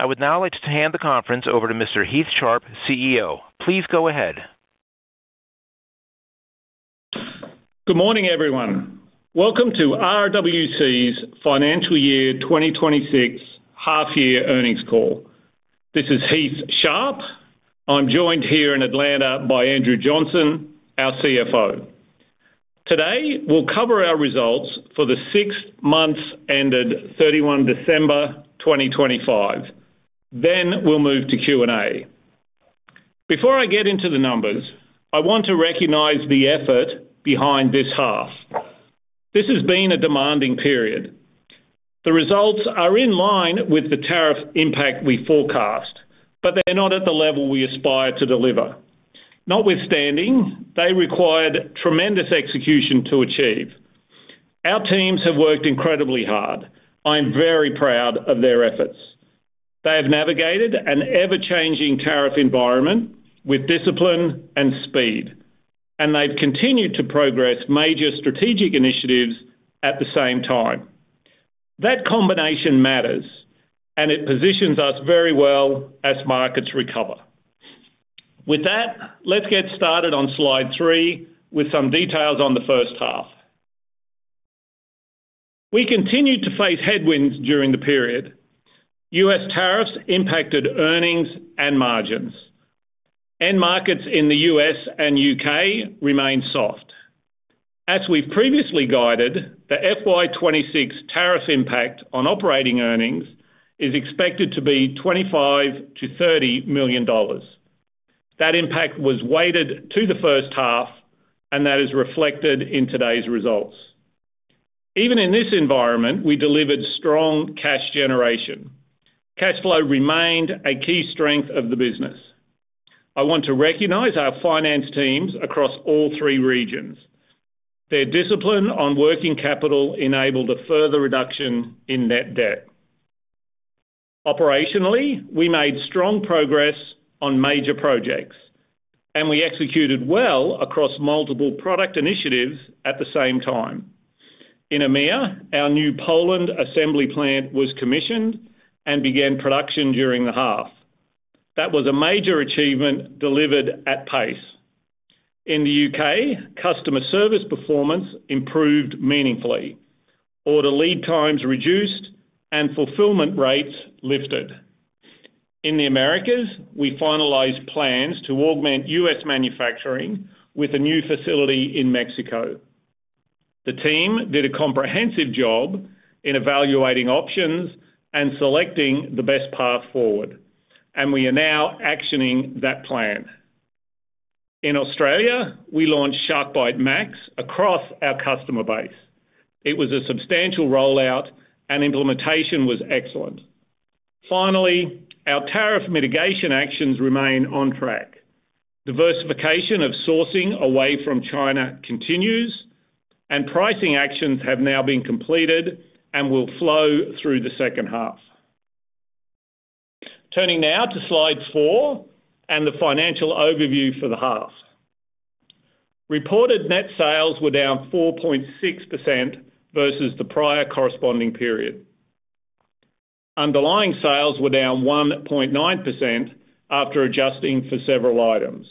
I would now like to hand the conference over to Mr. Heath Sharp, CEO. Please go ahead. Good morning, everyone. Welcome to RWC's Financial Year 2026 half-year earnings call. This is Heath Sharp. I'm joined here in Atlanta by Andrew Johnson, our CFO. Today, we'll cover our results for the six months ended 31 December 2025. Then we'll move to Q&A. Before I get into the numbers, I want to recognize the effort behind this half. This has been a demanding period. The results are in line with the tariff impact we forecast, but they're not at the level we aspire to deliver. Notwithstanding, they required tremendous execution to achieve. Our teams have worked incredibly hard. I'm very proud of their efforts. They have navigated an ever-changing tariff environment with discipline and speed, and they've continued to progress major strategic initiatives at the same time. That combination matters, and it positions us very well as markets recover. With that, let's get started on slide three with some details on the first half. We continued to face headwinds during the period. U.S. tariffs impacted earnings and margins, end markets in the U.S. and U.K. remained soft. As we've previously guided, the FY 2026 tariff impact on operating earnings is expected to be $25 million-$30 million. That impact was weighted to the first half, and that is reflected in today's results. Even in this environment, we delivered strong cash generation. Cash flow remained a key strength of the business. I want to recognize our finance teams across all three regions. Their discipline on working capital enabled a further reduction in net debt. Operationally, we made strong progress on major projects, and we executed well across multiple product initiatives at the same time. In EMEA, our new Poland assembly plant was commissioned and began production during the half. That was a major achievement delivered at pace. In the U.K., customer service performance improved meaningfully, order lead times reduced, and fulfillment rates lifted. In the Americas, we finalized plans to augment U.S. manufacturing with a new facility in Mexico. The team did a comprehensive job in evaluating options and selecting the best path forward, and we are now actioning that plan. In Australia, we launched SharkBite Max across our customer base. It was a substantial rollout, and implementation was excellent. Finally, our tariff mitigation actions remain on track. Diversification of sourcing away from China continues, and pricing actions have now been completed and will flow through the second half. Turning now to slide four and the financial overview for the half. Reported net sales were down 4.6% versus the prior corresponding period. Underlying sales were down 1.9% after adjusting for several items.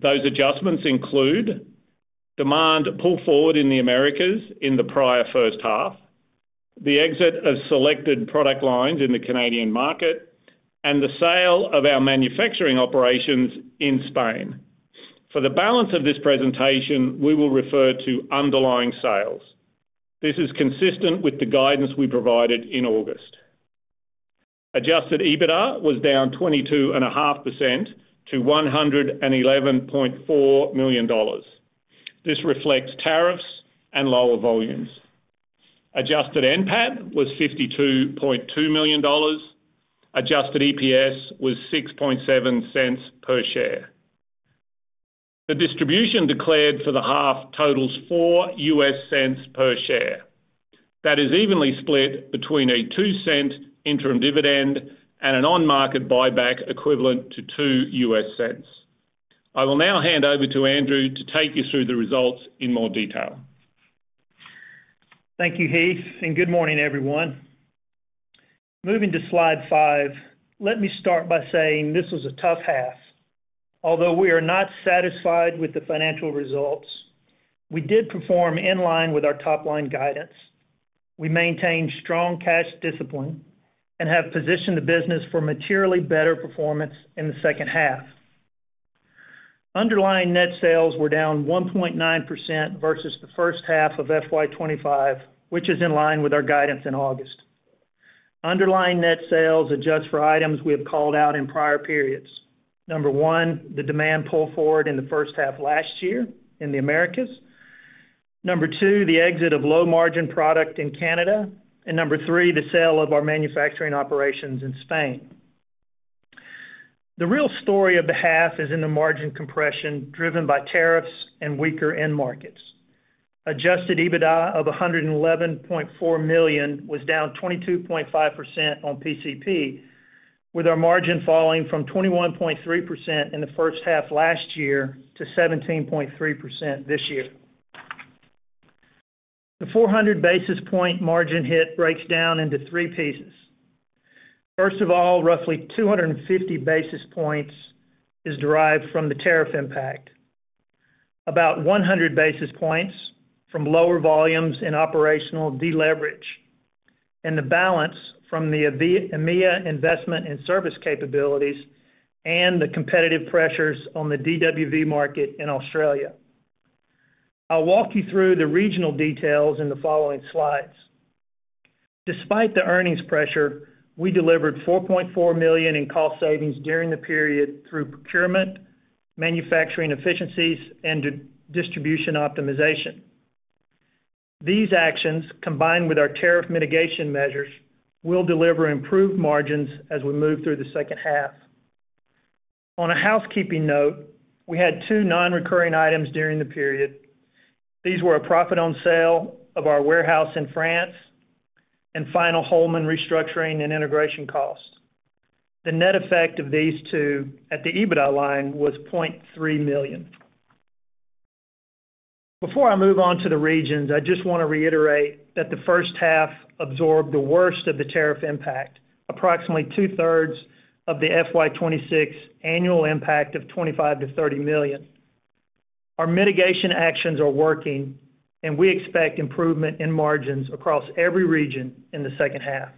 Those adjustments include: demand pull forward in the Americas in the prior first half, the exit of selected product lines in the Canadian market, and the sale of our manufacturing operations in Spain. For the balance of this presentation, we will refer to underlying sales. This is consistent with the guidance we provided in August. Adjusted EBITDA was down 22.5% to $111.4 million. This reflects tariffs and lower volumes. Adjusted NPAT was $52.2 million. Adjusted EPS was $0.067 per share. The distribution declared for the half totals $0.04 per share. That is evenly split between a $0.02 interim dividend and an on-market buyback equivalent to $0.02. I will now hand over to Andrew to take you through the results in more detail. Thank you, Heath, and good morning, everyone. Moving to slide five, let me start by saying this was a tough half. Although we are not satisfied with the financial results, we did perform in line with our top-line guidance. We maintained strong cash discipline and have positioned the business for materially better performance in the second half. Underlying net sales were down 1.9% versus the first half of FY 2025, which is in line with our guidance in August. Underlying net sales adjust for items we have called out in prior periods. Number one, the demand pull forward in the first half last year in the Americas. Number two, the exit of low-margin product in Canada. And number three, the sale of our manufacturing operations in Spain. The real story of the half is in the margin compression, driven by tariffs and weaker end markets. Adjusted EBITDA of $111.4 million was down 22.5% on PCP, with our margin falling from 21.3% in the first half last year to 17.3% this year. The 400 basis point margin hit breaks down into three pieces. First of all, roughly 250 basis points is derived from the tariff impact. About 100 basis points from lower volumes in operational deleverage, and the balance from the EMEA investment and service capabilities and the competitive pressures on the DWV market in Australia. I'll walk you through the regional details in the following slides. Despite the earnings pressure, we delivered $4.4 million in cost savings during the period through procurement, manufacturing efficiencies, and distribution optimization. These actions, combined with our tariff mitigation measures, will deliver improved margins as we move through the second half. On a housekeeping note, we had two nonrecurring items during the period. These were a profit on sale of our warehouse in France, and final Holman restructuring and integration costs. The net effect of these two at the EBITDA line was $0.3 million. Before I move on to the regions, I just want to reiterate that the first half absorbed the worst of the tariff impact, approximately two-thirds of the FY 2026 annual impact of $25 million-$30 million. Our mitigation actions are working, and we expect improvement in margins across every region in the second half.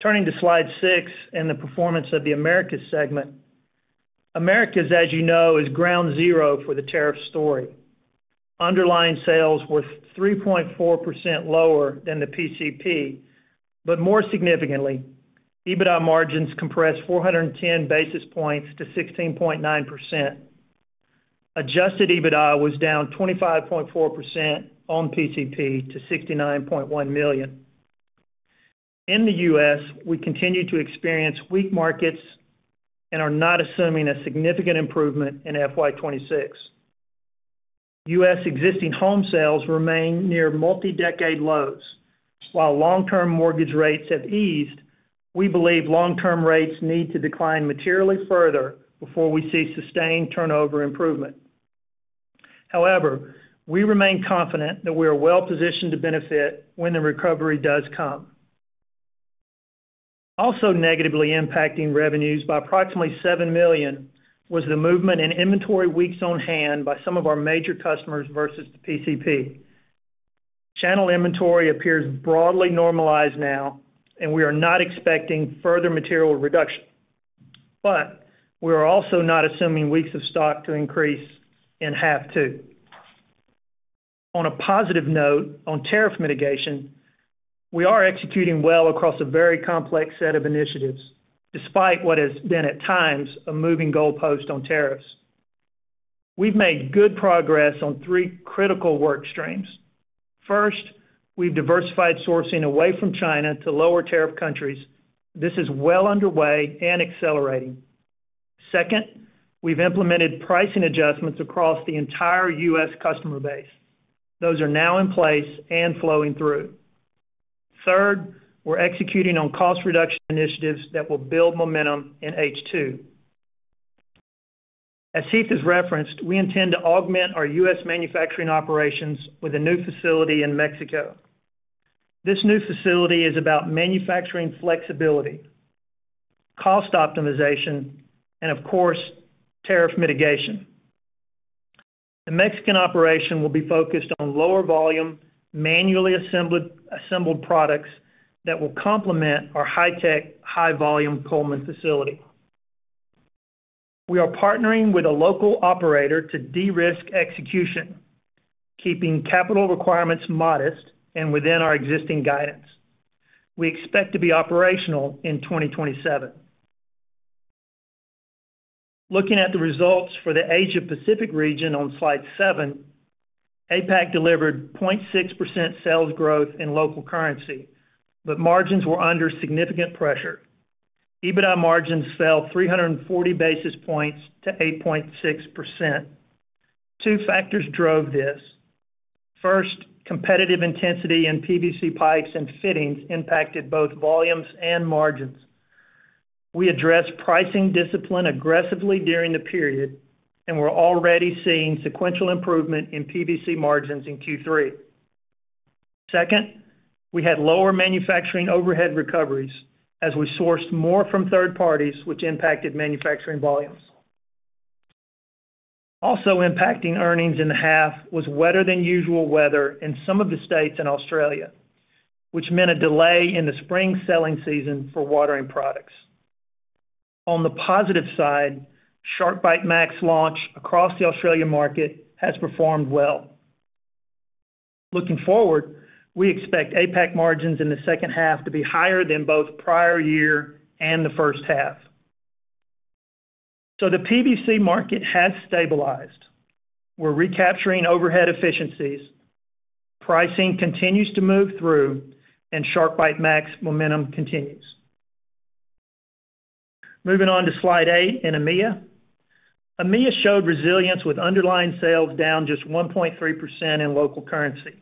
Turning to slide six and the performance of the Americas segment. Americas, as you know, is ground zero for the tariff story. Underlying sales were 3.4% lower than the PCP, but more significantly, EBITDA margins compressed 410 basis points to 16.9%. Adjusted EBITDA was down 25.4% on PCP to $69.1 million. In the U.S., we continue to experience weak markets and are not assuming a significant improvement in FY 2026. U.S. existing home sales remain near multi-decade lows. While long-term mortgage rates have eased, we believe long-term rates need to decline materially further before we see sustained turnover improvement. However, we remain confident that we are well-positioned to benefit when the recovery does come. Also negatively impacting revenues by approximately $7 million was the movement in inventory weeks on hand by some of our major customers versus the PCP. Channel inventory appears broadly normalized now, and we are not expecting further material reduction, but we are also not assuming weeks of stock to increase in H2 too. On a positive note, on tariff mitigation, we are executing well across a very complex set of initiatives, despite what has been at times, a moving goalpost on tariffs. We've made good progress on three critical work streams. First, we've diversified sourcing away from China to lower tariff countries. This is well underway and accelerating. Second, we've implemented pricing adjustments across the entire U.S. customer base. Those are now in place and flowing through. Third, we're executing on cost reduction initiatives that will build momentum in H2. As Heath has referenced, we intend to augment our U.S. manufacturing operations with a new facility in Mexico. This new facility is about manufacturing flexibility, cost optimization, and of course, tariff mitigation. The Mexican operation will be focused on lower volume, manually assembled, assembled products that will complement our high-tech, high-volume Cullman facility. We are partnering with a local operator to de-risk execution, keeping capital requirements modest and within our existing guidance. We expect to be operational in 2027. Looking at the results for the Asia Pacific region on slide seven, APAC delivered 0.6% sales growth in local currency, but margins were under significant pressure. EBITDA margins fell 340 basis points to 8.6%. Two factors drove this. First, competitive intensity in PVC pipes and fittings impacted both volumes and margins. We addressed pricing discipline aggressively during the period, and we're already seeing sequential improvement in PVC margins in Q3. Second, we had lower manufacturing overhead recoveries as we sourced more from third parties, which impacted manufacturing volumes. Also impacting earnings in the half was wetter than usual weather in some of the states in Australia, which meant a delay in the spring selling season for watering products. On the positive side, SharkBite Max launch across the Australian market has performed well. Looking forward, we expect APAC margins in the second half to be higher than both prior year and the first half. So the PVC market has stabilized. We're recapturing overhead efficiencies, pricing continues to move through, and SharkBite Max momentum continues. Moving on to slide eight in EMEA. EMEA showed resilience, with underlying sales down just 1.3% in local currency,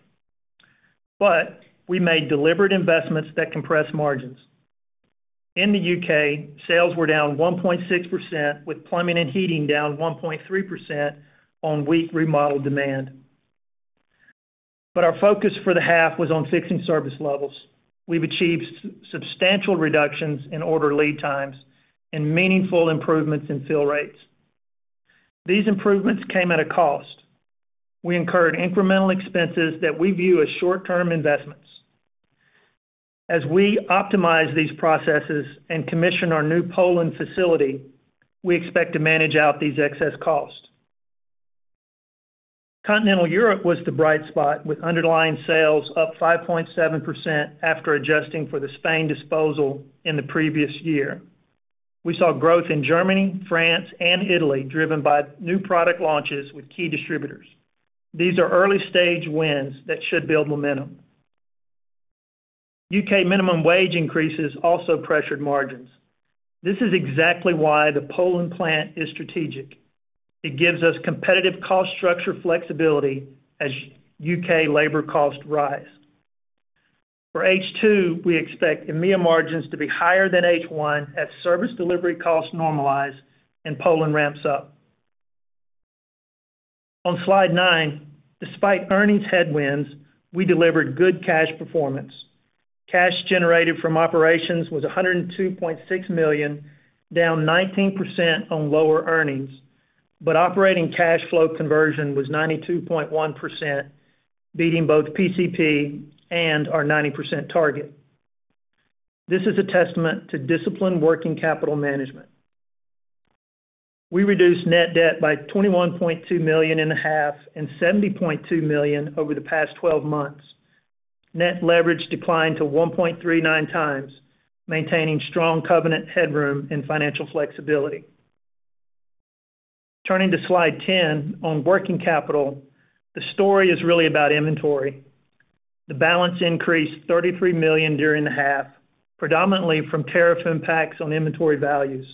but we made deliberate investments that compress margins. In the U.K., sales were down 1.6%, with plumbing and heating down 1.3% on weak remodel demand. But our focus for the half was on fixing service levels. We've achieved substantial reductions in order lead times and meaningful improvements in fill rates. These improvements came at a cost. We incurred incremental expenses that we view as short-term investments. As we optimize these processes and commission our new Poland facility, we expect to manage out these excess costs. Continental Europe was the bright spot, with underlying sales up 5.7% after adjusting for the Spain disposal in the previous year. We saw growth in Germany, France, and Italy, driven by new product launches with key distributors. These are early-stage wins that should build momentum. U.K. minimum wage increases also pressured margins. This is exactly why the Poland plant is strategic. It gives us competitive cost structure flexibility as U.K. labor costs rise. For H2, we expect EMEA margins to be higher than H1 as service delivery costs normalize and Poland ramps up. On slide nine, despite earnings headwinds, we delivered good cash performance. Cash generated from operations was $102.6 million, down 19% on lower earnings, but operating cash flow conversion was 92.1%, beating both PCP and our 90% target. This is a testament to disciplined working capital management. We reduced net debt by $21.2 million in a half and $70.2 million over the past 12 months. Net leverage declined to 1.39x, maintaining strong covenant headroom and financial flexibility. Turning to Slide 10, on working capital, the story is really about inventory. The balance increased $33 million during the half, predominantly from tariff impacts on inventory values,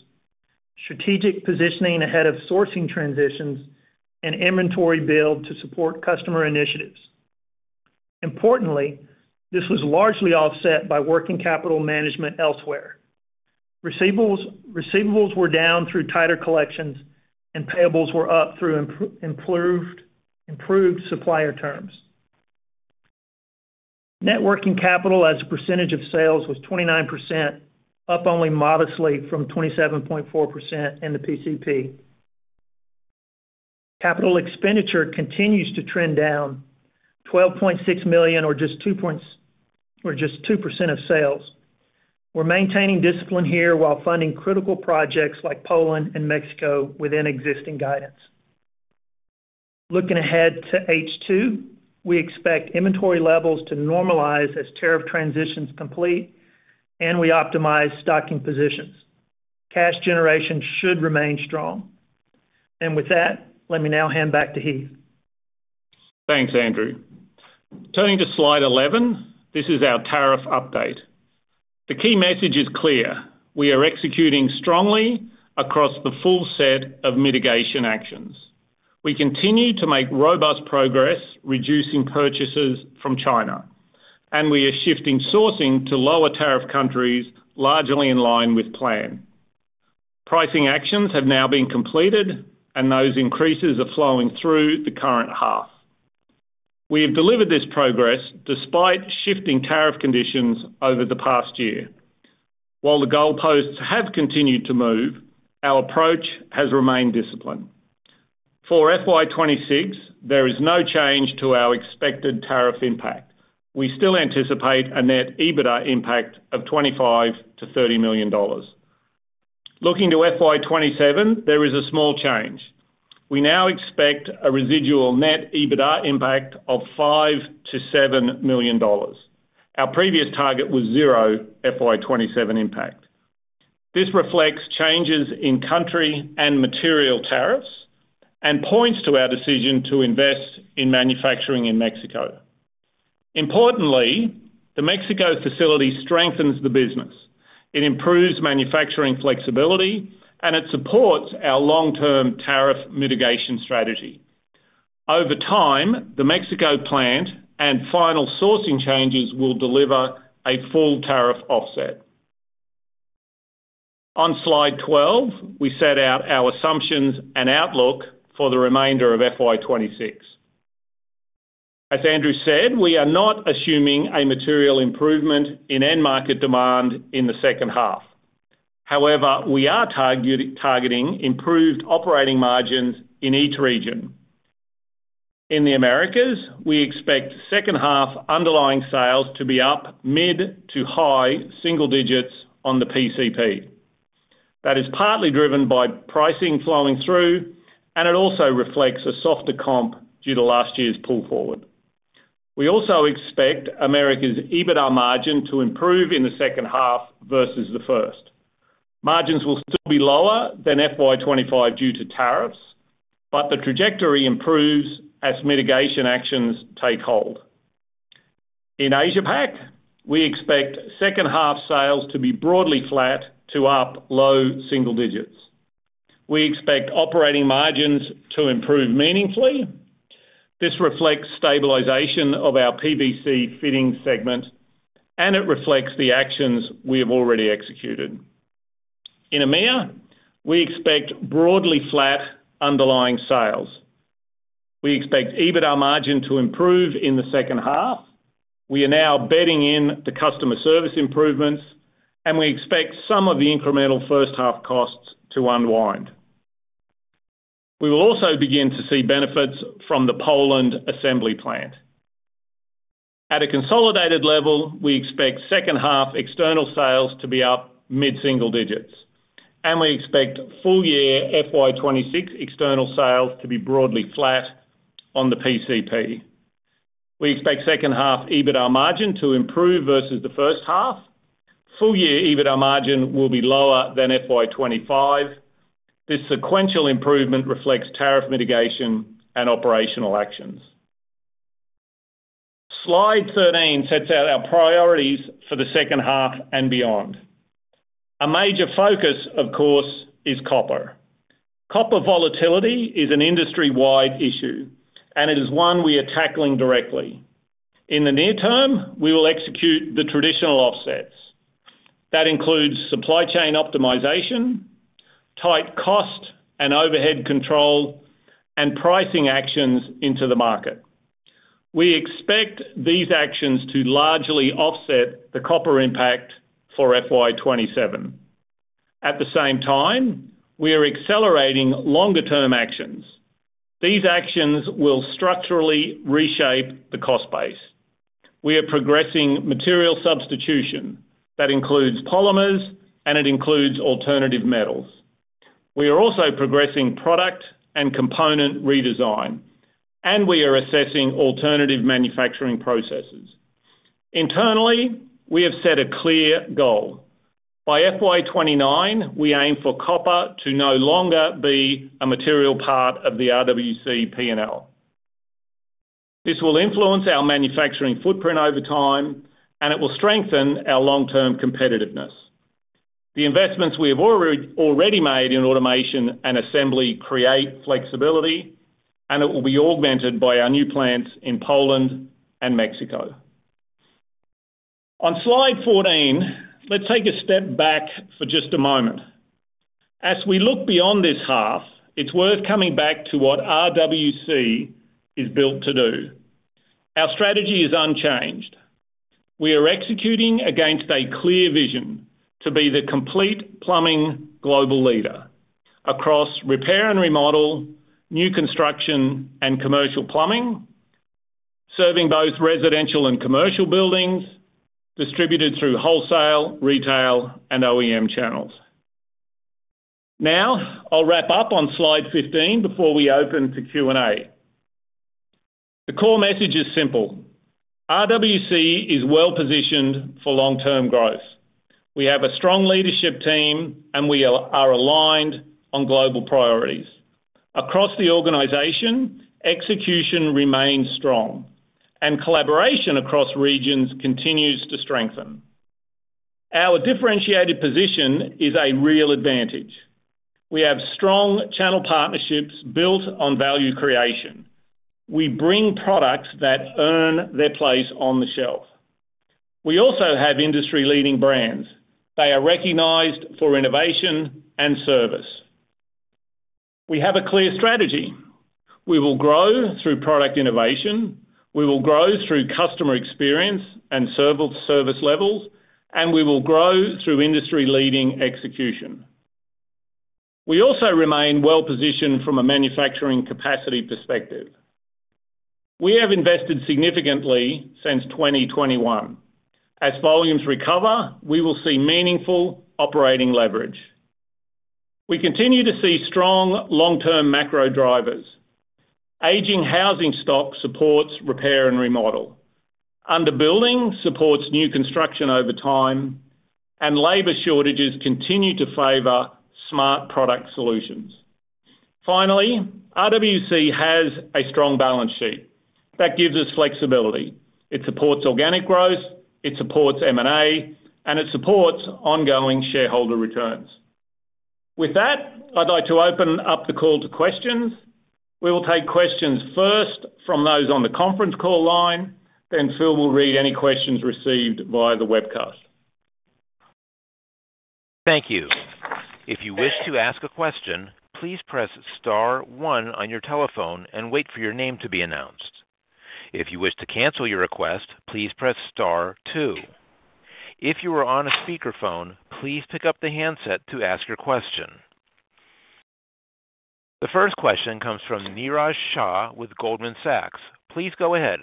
strategic positioning ahead of sourcing transitions, and inventory build to support customer initiatives. Importantly, this was largely offset by working capital management elsewhere. Receivables were down through tighter collections, and payables were up through improved supplier terms. Net working capital as a percentage of sales was 29%, up only modestly from 27.4% in the PCP. Capital expenditure continues to trend down $12.6 million or just 2% of sales. We're maintaining discipline here while funding critical projects like Poland and Mexico within existing guidance. Looking ahead to H2, we expect inventory levels to normalize as tariff transitions complete and we optimize stocking positions. Cash generation should remain strong. And with that, let me now hand back to Heath. Thanks, Andrew. Turning to slide 11, this is our tariff update. The key message is clear: We are executing strongly across the full set of mitigation actions. We continue to make robust progress, reducing purchases from China, and we are shifting sourcing to lower-tariff countries, largely in line with plan. Pricing actions have now been completed, and those increases are flowing through the current half. We have delivered this progress despite shifting tariff conditions over the past year. While the goalposts have continued to move, our approach has remained disciplined. For FY 2026, there is no change to our expected tariff impact. We still anticipate a net EBITDA impact of $25 million-$30 million. Looking to FY 2027, there is a small change. We now expect a residual net EBITDA impact of $5 million-$7 million. Our previous target was zero FY 2027 impact. This reflects changes in country and material tariffs and points to our decision to invest in manufacturing in Mexico. Importantly, the Mexico facility strengthens the business. It improves manufacturing flexibility, and it supports our long-term tariff mitigation strategy. Over time, the Mexico plant and final sourcing changes will deliver a full tariff offset. On slide 12, we set out our assumptions and outlook for the remainder of FY 2026. As Andrew said, we are not assuming a material improvement in end-market demand in the second half. However, we are targeting improved operating margins in each region. In the Americas, we expect second-half underlying sales to be up mid- to high-single digits on the PCP. That is partly driven by pricing flowing through, and it also reflects a softer comp due to last year's pull forward. We also expect Americas EBITDA margin to improve in the second half versus the first. Margins will still be lower than FY 2025 due to tariffs, but the trajectory improves as mitigation actions take hold. In Asia Pac, we expect second-half sales to be broadly flat to up low single digits. We expect operating margins to improve meaningfully. This reflects stabilization of our PVC fittings segment, and it reflects the actions we have already executed. In EMEA, we expect broadly flat underlying sales. We expect EBITDA margin to improve in the second half. We are now betting in the customer service improvements, and we expect some of the incremental first-half costs to unwind. We will also begin to see benefits from the Poland assembly plant. At a consolidated level, we expect second half external sales to be up mid-single digits, and we expect full year FY 2026 external sales to be broadly flat on the PCP. We expect second half EBITDA margin to improve versus the first half. Full year EBITDA margin will be lower than FY 2025. This sequential improvement reflects tariff mitigation and operational actions. Slide 13 sets out our priorities for the second half and beyond. A major focus, of course, is copper. Copper volatility is an industry-wide issue, and it is one we are tackling directly. In the near term, we will execute the traditional offsets. That includes supply chain optimization, tight cost and overhead control, and pricing actions into the market. We expect these actions to largely offset the copper impact for FY 2027. At the same time, we are accelerating longer term actions. These actions will structurally reshape the cost base. We are progressing material substitution. That includes polymers, and it includes alternative metals. We are also progressing product and component redesign, and we are assessing alternative manufacturing processes. Internally, we have set a clear goal. By FY 2029, we aim for copper to no longer be a material part of the RWC P&L. This will influence our manufacturing footprint over time, and it will strengthen our long-term competitiveness. The investments we have already made in automation and assembly create flexibility, and it will be augmented by our new plants in Poland and Mexico. On slide 14, let's take a step back for just a moment. As we look beyond this half, it's worth coming back to what RWC is built to do. Our strategy is unchanged. We are executing against a clear vision to be the complete plumbing global leader across repair and remodel, new construction and commercial plumbing, serving both residential and commercial buildings, distributed through wholesale, retail, and OEM channels. Now, I'll wrap up on Slide 15 before we open to Q&A. The core message is simple: RWC is well positioned for long-term growth. We have a strong leadership team, and we are aligned on global priorities. Across the organization, execution remains strong, and collaboration across regions continues to strengthen. Our differentiated position is a real advantage. We have strong channel partnerships built on value creation. We bring products that earn their place on the shelf. We also have industry-leading brands. They are recognized for innovation and service. We have a clear strategy. We will grow through product innovation, we will grow through customer experience and service levels, and we will grow through industry-leading execution. We also remain well positioned from a manufacturing capacity perspective. We have invested significantly since 2021. As volumes recover, we will see meaningful operating leverage. We continue to see strong long-term macro drivers. Aging housing stock supports repair and remodel. Underbuilding supports new construction over time, and labor shortages continue to favor smart product solutions. Finally, RWC has a strong balance sheet that gives us flexibility. It supports organic growth, it supports M&A, and it supports ongoing shareholder returns. With that, I'd like to open up the call to questions. We will take questions first from those on the conference call line, then Phil will read any questions received via the webcast. Thank you. If you wish to ask a question, please press star one on your telephone and wait for your name to be announced. If you wish to cancel your request, please press star two. If you are on a speakerphone, please pick up the handset to ask your question. The first question comes from Niraj Shah with Goldman Sachs. Please go ahead.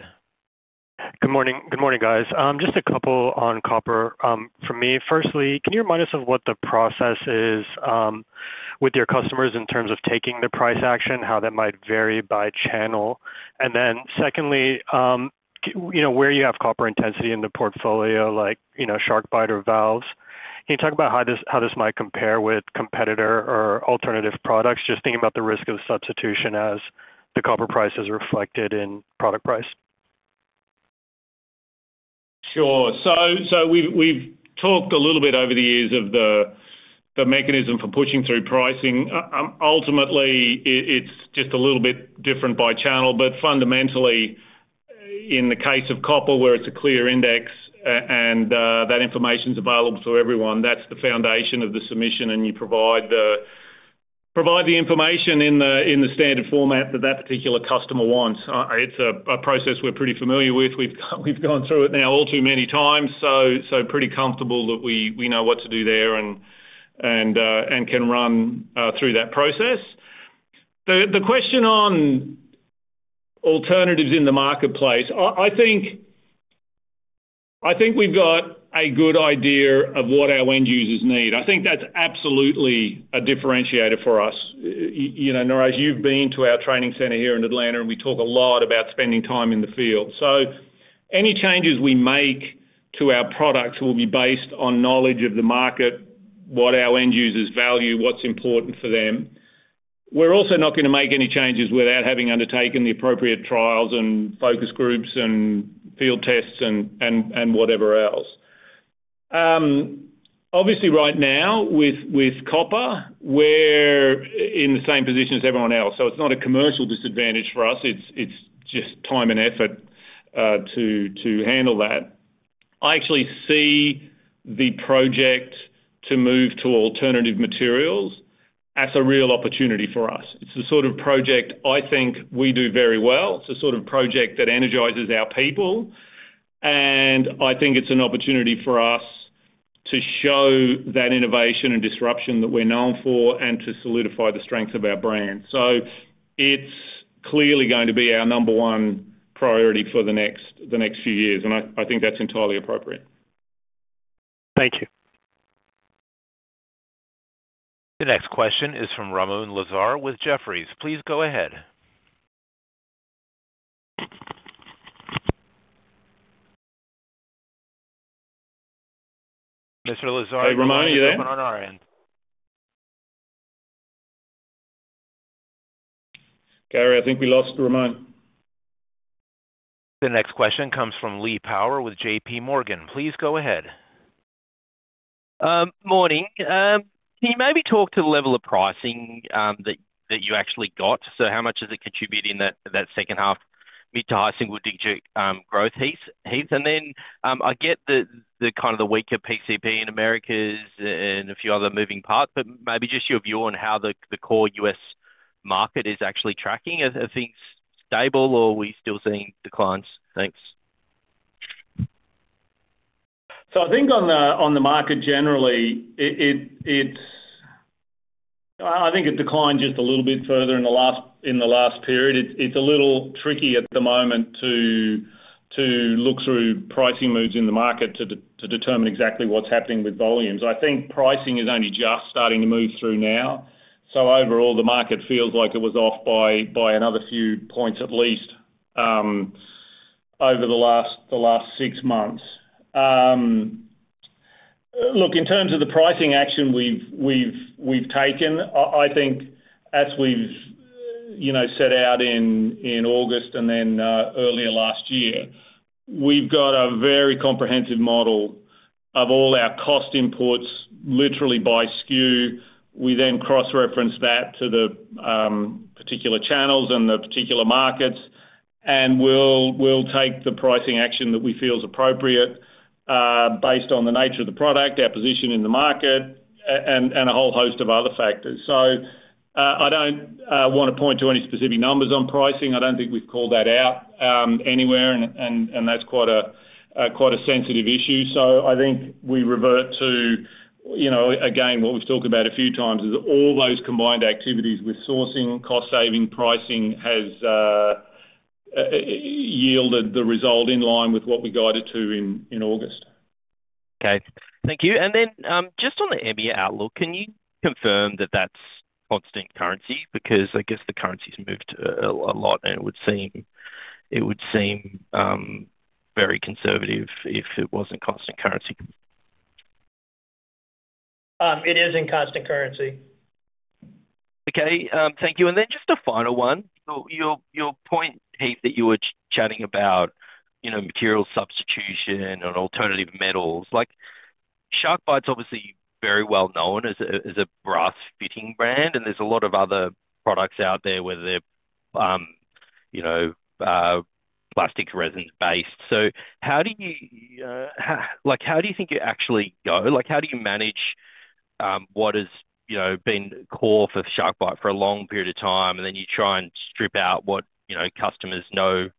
Good morning. Good morning, guys. Just a couple on copper from me. Firstly, can you remind us of what the process is with your customers in terms of taking the price action, how that might vary by channel? And then secondly, you know, where you have copper intensity in the portfolio, like, you know, SharkBite or valves. Can you talk about how this, how this might compare with competitor or alternative products? Just thinking about the risk of substitution as the copper price is reflected in product price. Sure. So we've talked a little bit over the years of the mechanism for pushing through pricing. Ultimately, it's just a little bit different by channel, but fundamentally, in the case of copper, where it's a clear index, and that information's available to everyone, that's the foundation of the submission, and you provide the information in the standard format that that particular customer wants. It's a process we're pretty familiar with. We've gone through it now all too many times, so pretty comfortable that we know what to do there and can run through that process. The question on alternatives in the marketplace, I think we've got a good idea of what our end users need. I think that's absolutely a differentiator for us. You know, Niraj, you've been to our training center here in Atlanta, and we talk a lot about spending time in the field. So any changes we make to our products will be based on knowledge of the market, what our end users value, what's important for them. We're also not gonna make any changes without having undertaken the appropriate trials and focus groups and field tests and whatever else. Obviously, right now, with copper, we're in the same position as everyone else. So it's not a commercial disadvantage for us, it's just time and effort to handle that. I actually see the project to move to alternative materials as a real opportunity for us. It's the sort of project I think we do very well. It's the sort of project that energizes our people, and I think it's an opportunity for us to show that innovation and disruption that we're known for and to solidify the strength of our brand. So it's clearly going to be our number one priority for the next, the next few years, and I, I think that's entirely appropriate. Thank you. The next question is from Ramoun Lazar with Jefferies. Please go ahead. Mr. Lazar- Hey, Ramoun, are you there? On our end. Gary, I think we lost Ramoun. The next question comes from Lee Power with JPMorgan. Please go ahead. Morning. Can you maybe talk to the level of pricing that you actually got? So how much does it contribute in that second half mid- to high-single-digit growth, Heath? And then, I get the kind of weaker PCP in Americas and a few other moving parts, but maybe just your view on how the core U.S. market is actually tracking. Are things stable, or are we still seeing declines? Thanks. So I think on the market, generally, I think it declined just a little bit further in the last period. It's a little tricky at the moment to look through pricing moves in the market to determine exactly what's happening with volumes. I think pricing is only just starting to move through now, so overall, the market feels like it was off by another few points at least over the last six months. Look, in terms of the pricing action we've taken, I think as we've, you know, set out in August and then earlier last year, we've got a very comprehensive model of all our cost imports, literally by SKU. We then cross-reference that to the particular channels and the particular markets, and we'll take the pricing action that we feel is appropriate, based on the nature of the product, our position in the market, and a whole host of other factors. So, I don't wanna point to any specific numbers on pricing. I don't think we've called that out anywhere, and that's quite a sensitive issue. So I think we revert to, you know, again, what we've talked about a few times, is all those combined activities with sourcing, cost saving, pricing, has yielded the result in line with what we guided to in August. Okay. Thank you. And then, just on the EBITDA outlook, can you confirm that that's constant currency? Because I guess the currency's moved a lot, and it would seem very conservative if it wasn't constant currency. It is in constant currency. Okay, thank you. And then just a final one. So your, your point, Heath, that you were chatting about, you know, material substitution and alternative metals, like, SharkBite's obviously very well known as a, as a brass fitting brand, and there's a lot of other products out there, whether they're, you know, plastic resins based. So how do you like, how do you think you actually go? Like, how do you manage, what is, you know, been core for SharkBite for a long period of time, and then you try and strip out what, you know, customers know,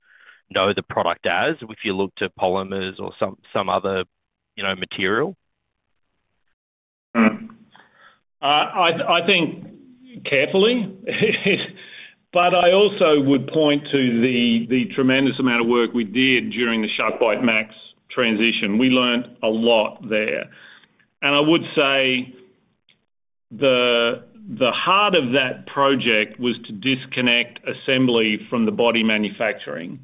know the product as, if you look to polymers or some, some other, you know, material? I think carefully, but I also would point to the tremendous amount of work we did during the SharkBite Max transition. We learned a lot there. I would say the heart of that project was to disconnect assembly from the body manufacturing,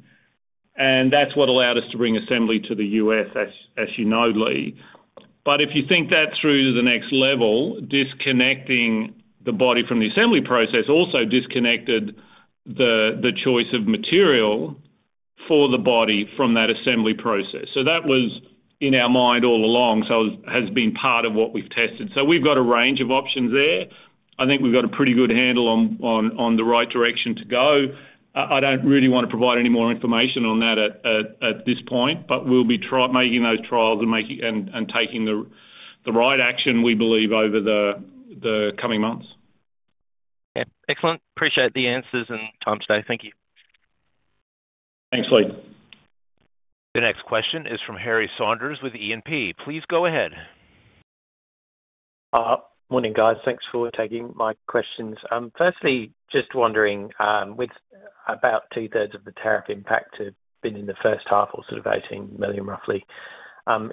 and that's what allowed us to bring assembly to the U.S., as you know, Lee. But if you think that through to the next level, disconnecting the body from the assembly process also disconnected the choice of material for the body from that assembly process. That was in our mind all along, so it has been part of what we've tested. We've got a range of options there. I think we've got a pretty good handle on the right direction to go. I don't really want to provide any more information on that at this point, but we'll be making those trials and taking the right action, we believe, over the coming months. Okay, excellent. Appreciate the answers and time today. Thank you. Thanks, Lee. The next question is from Harry Saunders with E&P. Please go ahead. Morning, guys. Thanks for taking my questions. Firstly, just wondering, with about two-thirds of the tariff impact have been in the first half or sort of $18 million, roughly,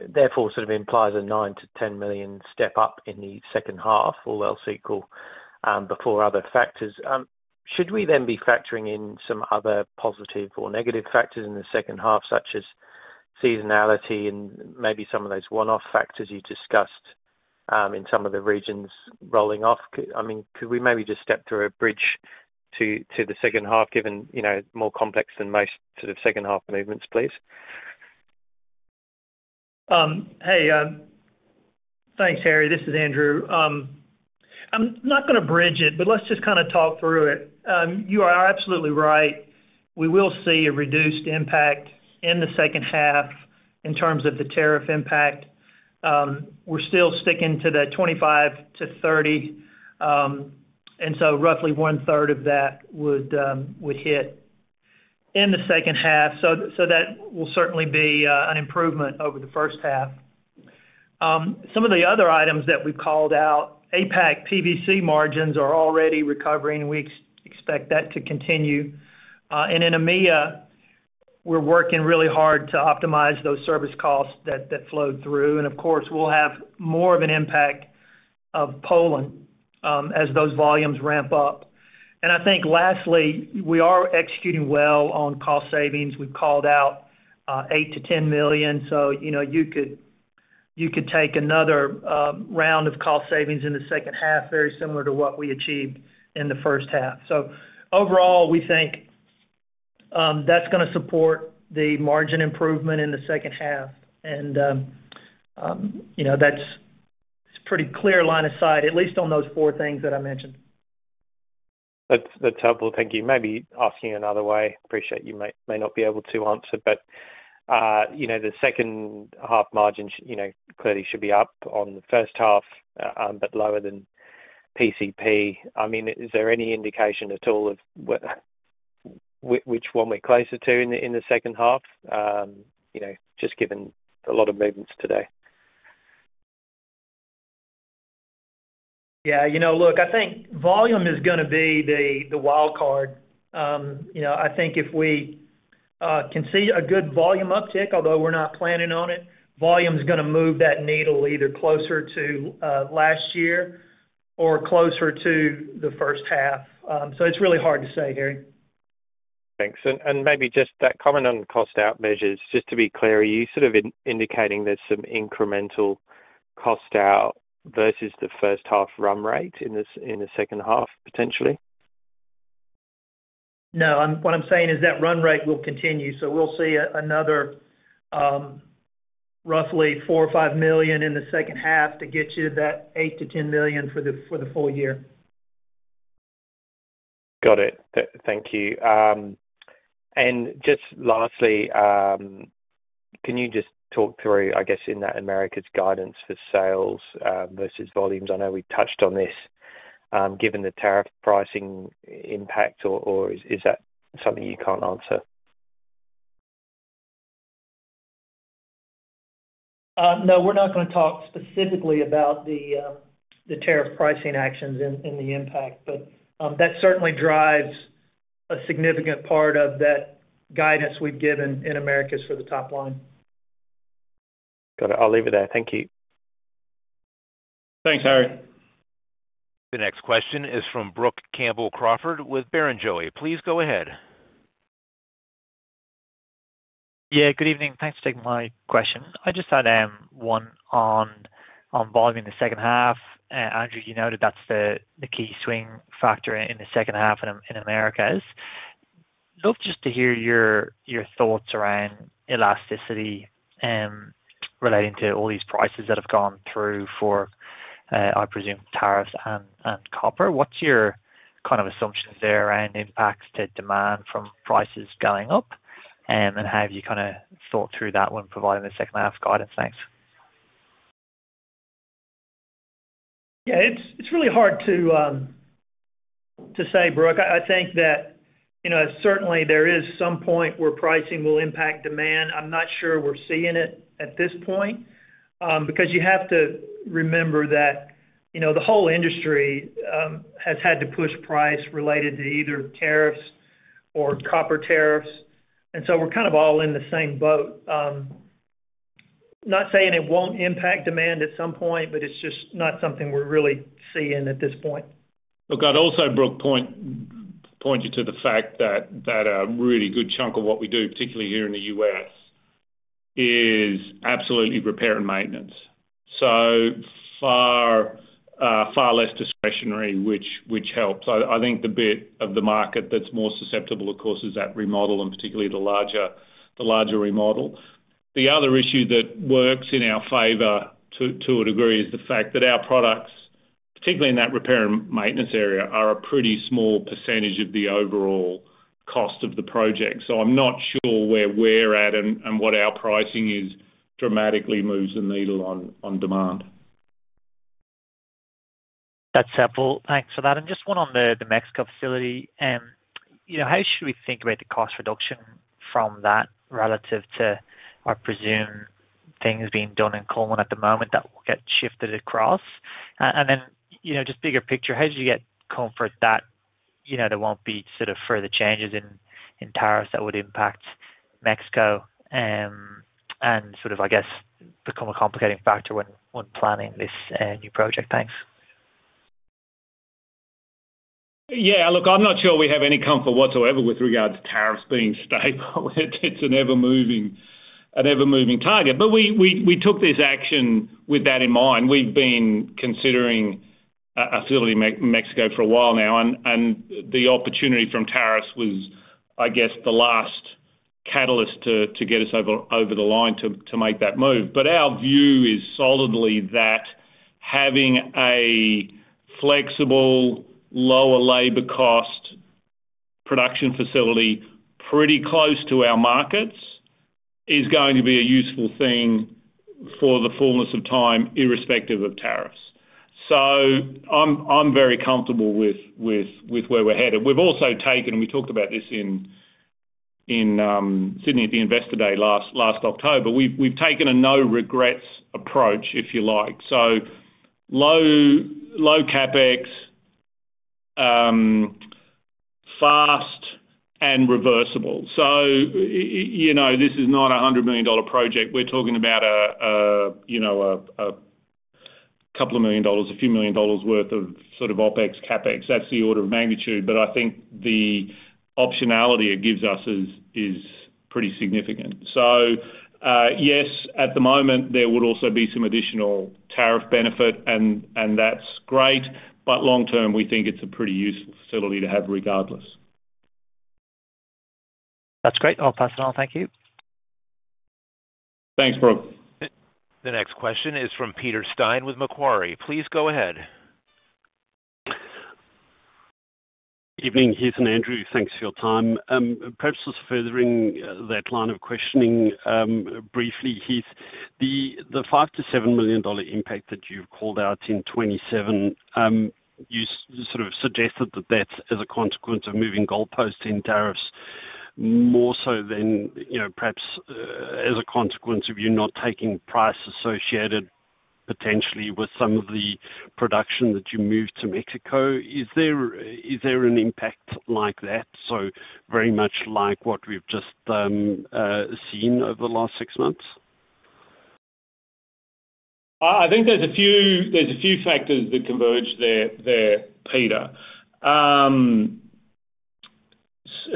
therefore, sort of implies a $9 million-$10 million step up in the second half, all else equal, before other factors. Should we then be factoring in some other positive or negative factors in the second half, such as seasonality and maybe some of those one-off factors you discussed, in some of the regions rolling off? I mean, could we maybe just step through a bridge to the second half, given, you know, more complex than most sort of second-half movements, please? Hey, thanks, Harry. This is Andrew. I'm not gonna bridge it, but let's just kind of talk through it. You are absolutely right. We will see a reduced impact in the second half in terms of the tariff impact. We're still sticking to the $25 million-$30 million, and so roughly 1/3 of that would hit in the second half. So that will certainly be an improvement over the first half. Some of the other items that we've called out, APAC PVC margins are already recovering, and we expect that to continue. And in EMEA, we're working really hard to optimize those service costs that flowed through. And of course, we'll have more of an impact of Poland as those volumes ramp up. And I think lastly, we are executing well on cost savings. We've called out, eight to ten million, so you know, you could, you could take another, round of cost savings in the second half, very similar to what we achieved in the first half. So overall, we think, that's gonna support the margin improvement in the second half. And, you know, that's a pretty clear line of sight, at least on those four things that I mentioned. That's, that's helpful. Thank you. Maybe asking another way, appreciate you may not be able to answer, but, you know, the second half margin, you know, clearly should be up on the first half, but lower than PCP. I mean, is there any indication at all of which one we're closer to in the second half? You know, just given a lot of movements today. Yeah, you know, look, I think volume is gonna be the wild card. You know, I think if we can see a good volume uptick, although we're not planning on it, volume is gonna move that needle either closer to last year or closer to the first half. So it's really hard to say, Harry. Thanks. Maybe just that comment on cost out measures, just to be clear, are you sort of indicating there's some incremental cost out versus the first half run rate in the second half, potentially? No, what I'm saying is that run rate will continue, so we'll see another roughly $4 million or $5 million in the second half to get you that $8 million-10 million for the full year. Got it. Thank you. And just lastly, can you just talk through, I guess, in that Americas guidance for sales versus volumes? I know we touched on this, given the tariff pricing impact, or is that something you can't answer? No, we're not gonna talk specifically about the tariff pricing actions and the impact, but that certainly drives a significant part of that guidance we've given in Americas for the top line. Got it. I'll leave it there. Thank you. Thanks, Harry. The next question is from Brook Campbell-Crawford with Barrenjoey. Please go ahead. Yeah, good evening. Thanks for taking my question. I just had one on volume in the second half. Andrew, you noted that's the key swing factor in the second half in Americas. Love just to hear your thoughts around elasticity relating to all these prices that have gone through for, I presume, tariffs and copper. What's your kind of assumptions there around impacts to demand from prices going up? And then have you kinda thought through that when providing the second half guidance? Thanks. Yeah, it's really hard to say, Brook. I think that, you know, certainly there is some point where pricing will impact demand. I'm not sure we're seeing it at this point, because you have to remember that, you know, the whole industry has had to push price related to either tariffs or copper tariffs, and so we're kind of all in the same boat. Not saying it won't impact demand at some point, but it's just not something we're really seeing at this point. Look, I'd also add, Brook, point you to the fact that a really good chunk of what we do, particularly here in the U.S., is absolutely repair and maintenance. So far, far less discretionary, which helps. I think the bit of the market that's more susceptible, of course, is that remodel, and particularly the larger remodel. The other issue that works in our favor, to a degree, is the fact that our products, particularly in that repair and maintenance area, are a pretty small percentage of the overall cost of the project. So I'm not sure where we're at and what our pricing is, dramatically moves the needle on demand. That's helpful. Thanks for that. And just one on the Mexico facility. You know, how should we think about the cost reduction from that relative to, I presume, things being done in Cullman at the moment that will get shifted across? And then, you know, just bigger picture, how did you get comfort that, you know, there won't be sort of further changes in tariffs that would impact Mexico, and sort of, I guess, become a complicating factor when planning this new project? Thanks. Yeah, look, I'm not sure we have any comfort whatsoever with regard to tariffs being stable. It's an ever-moving, an ever-moving target. But we, we, we took this action with that in mind. We've been considering a, a facility in Mexico for a while now, and, and the opportunity from tariffs was, I guess, the last catalyst to, to get us over, over the line to, to make that move. But our view is solidly that having a flexible, lower labor cost production facility pretty close to our markets is going to be a useful thing for the fullness of time, irrespective of tariffs. So I'm, I'm very comfortable with, with, with where we're headed. We've also taken, we talked about this in, in, Sydney at the Investor Day last, last October. We've, we've taken a no regrets approach, if you like. So low, low CapEx, fast and reversible. So you know, this is not a $100 million project. We're talking about a you know, a couple of million dollars, a few million dollars worth of sort of OpEx, CapEx. That's the order of magnitude, but I think the optionality it gives us is pretty significant. So yes, at the moment, there would also be some additional tariff benefit, and that's great, but long term, we think it's a pretty useful facility to have regardless. That's great. I'll pass it on. Thank you. Thanks, Brook. The next question is from Peter Steyn with Macquarie. Please go ahead. Evening, Heath and Andrew. Thanks for your time. Perhaps just furthering that line of questioning, briefly, Heath. The $5 million-$7 million impact that you've called out in 2027, you sort of suggested that that's as a consequence of moving goalposts in tariffs, more so than, you know, perhaps, as a consequence of you not taking price associated, potentially, with some of the production that you moved to Mexico. Is there an impact like that? So very much like what we've just seen over the last six months? I think there's a few factors that converge there, Peter. Look,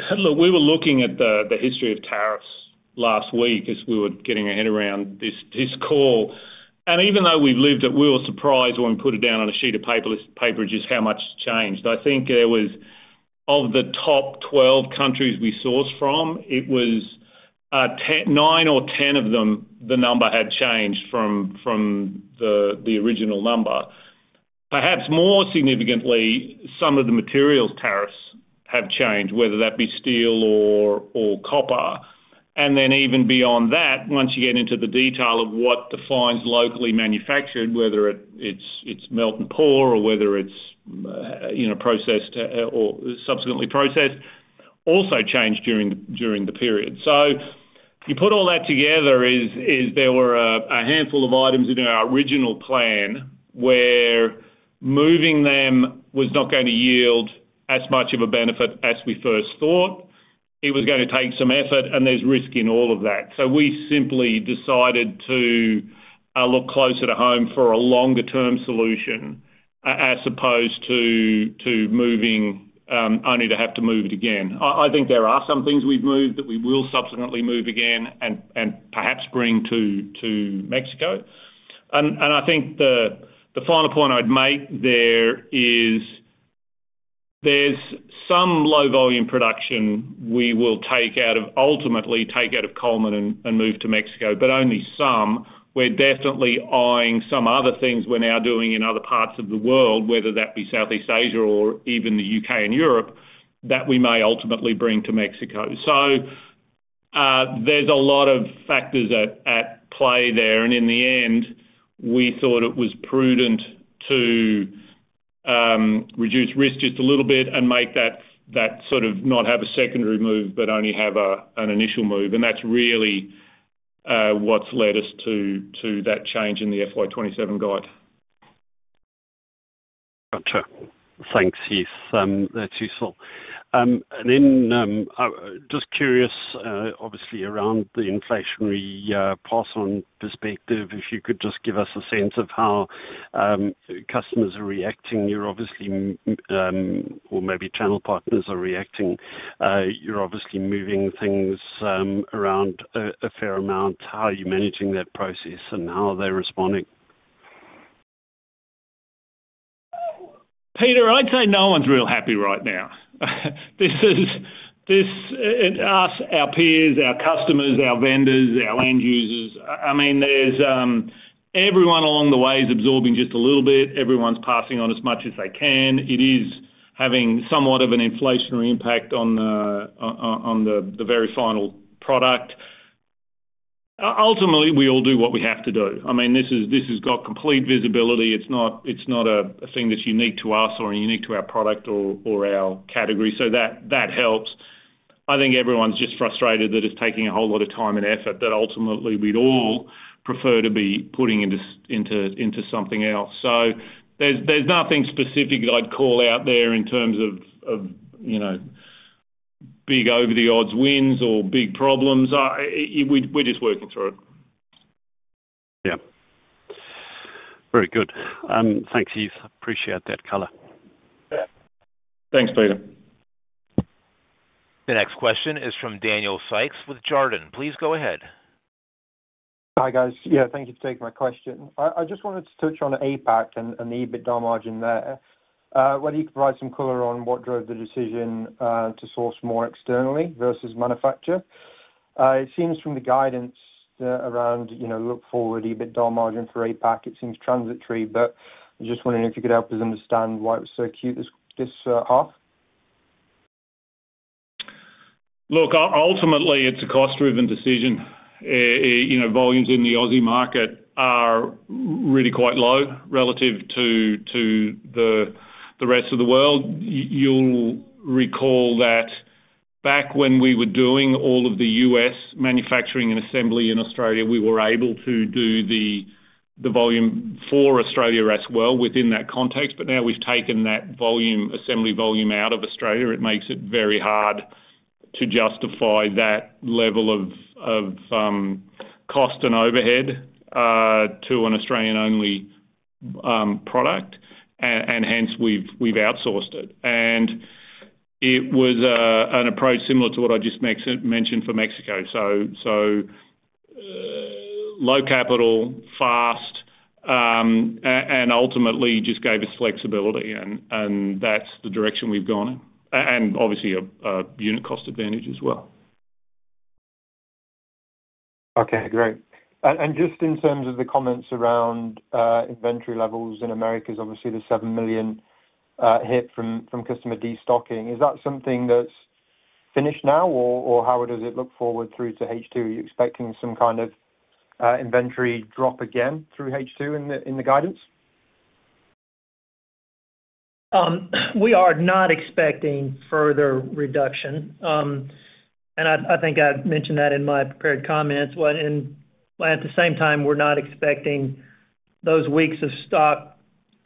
we were looking at the history of tariffs last week as we were getting our head around this call, and even though we've lived it, we were surprised when we put it down on a sheet of paper just how much changed. I think there was, of the top 12 countries we sourced from, it was nine or 10 of them, the number had changed from the original number. Perhaps more significantly, some of the materials tariffs have changed, whether that be steel or copper. And then even beyond that, once you get into the detail of what defines locally manufactured, whether it's melt and pour, or whether it's, you know, processed or subsequently processed, also changed during the period. So you put all that together, there were a handful of items in our original plan, where moving them was not going to yield as much of a benefit as we first thought. It was gonna take some effort, and there's risk in all of that. So we simply decided to look closer to home for a longer-term solution, as opposed to moving only to have to move it again. I think there are some things we've moved that we will subsequently move again and perhaps bring to Mexico. I think the final point I'd make there is, there's some low volume production we will take out of—ultimately, take out of Cullman and move to Mexico, but only some. We're definitely eyeing some other things we're now doing in other parts of the world, whether that be Southeast Asia or even the U.K. and Europe, that we may ultimately bring to Mexico. So, there's a lot of factors at play there, and in the end, we thought it was prudent to reduce risk just a little bit and make that sort of not have a secondary move, but only have an initial move. And that's really what's led us to that change in the FY 2027 guide. </transcript Sure. Thanks, Heath. That's useful. And then, just curious, obviously, around the inflationary, pass on perspective, if you could just give us a sense of how, customers are reacting. You're obviously, or maybe channel partners are reacting. You're obviously moving things, around a fair amount. How are you managing that process, and how are they responding? Peter, I'd say no one's real happy right now. This is, this, and us, our peers, our customers, our vendors, our end users, I mean, there's everyone along the way is absorbing just a little bit. Everyone's passing on as much as they can. It is having somewhat of an inflationary impact on the very final product. Ultimately, we all do what we have to do. I mean, this is, this has got complete visibility. It's not a thing that's unique to us or unique to our product or our category, so that helps. I think everyone's just frustrated that it's taking a whole lot of time and effort that ultimately we'd all prefer to be putting into something else. So there's nothing specific I'd call out there in terms of, of, you know, big over the odds wins or big problems. We're just working through it. Yeah. Very good. Thanks, Heath. Appreciate that color. Yeah. Thanks, Peter. The next question is from Daniel Sykes with Jarden. Please go ahead. Hi, guys. Yeah, thank you for taking my question. I just wanted to touch on APAC and the EBITDA margin there. Whether you could provide some color on what drove the decision to source more externally versus manufacturer? It seems from the guidance around, you know, look forward, EBITDA margin for APAC, it seems transitory, but I'm just wondering if you could help us understand why it was so acute this half. Look, ultimately, it's a cost-driven decision. You know, volumes in the Aussie market are really quite low relative to the rest of the world. You'll recall that back when we were doing all of the U.S. manufacturing and assembly in Australia, we were able to do the volume for Australia as well within that context, but now we've taken that volume, assembly volume out of Australia, it makes it very hard to justify that level of cost and overhead to an Australian-only product. And hence, we've outsourced it. And it was an approach similar to what I just mentioned for Mexico. So, low capital, fast, and ultimately just gave us flexibility, and that's the direction we've gone. And obviously a unit cost advantage as well. Okay, great. And just in terms of the comments around inventory levels in Americas, obviously the $7 million hit from customer destocking. Is that something that's finished now, or how does it look forward through to H2? Are you expecting some kind of inventory drop again through H2 in the guidance? We are not expecting further reduction. I think I've mentioned that in my prepared comments. But at the same time, we're not expecting those weeks of stock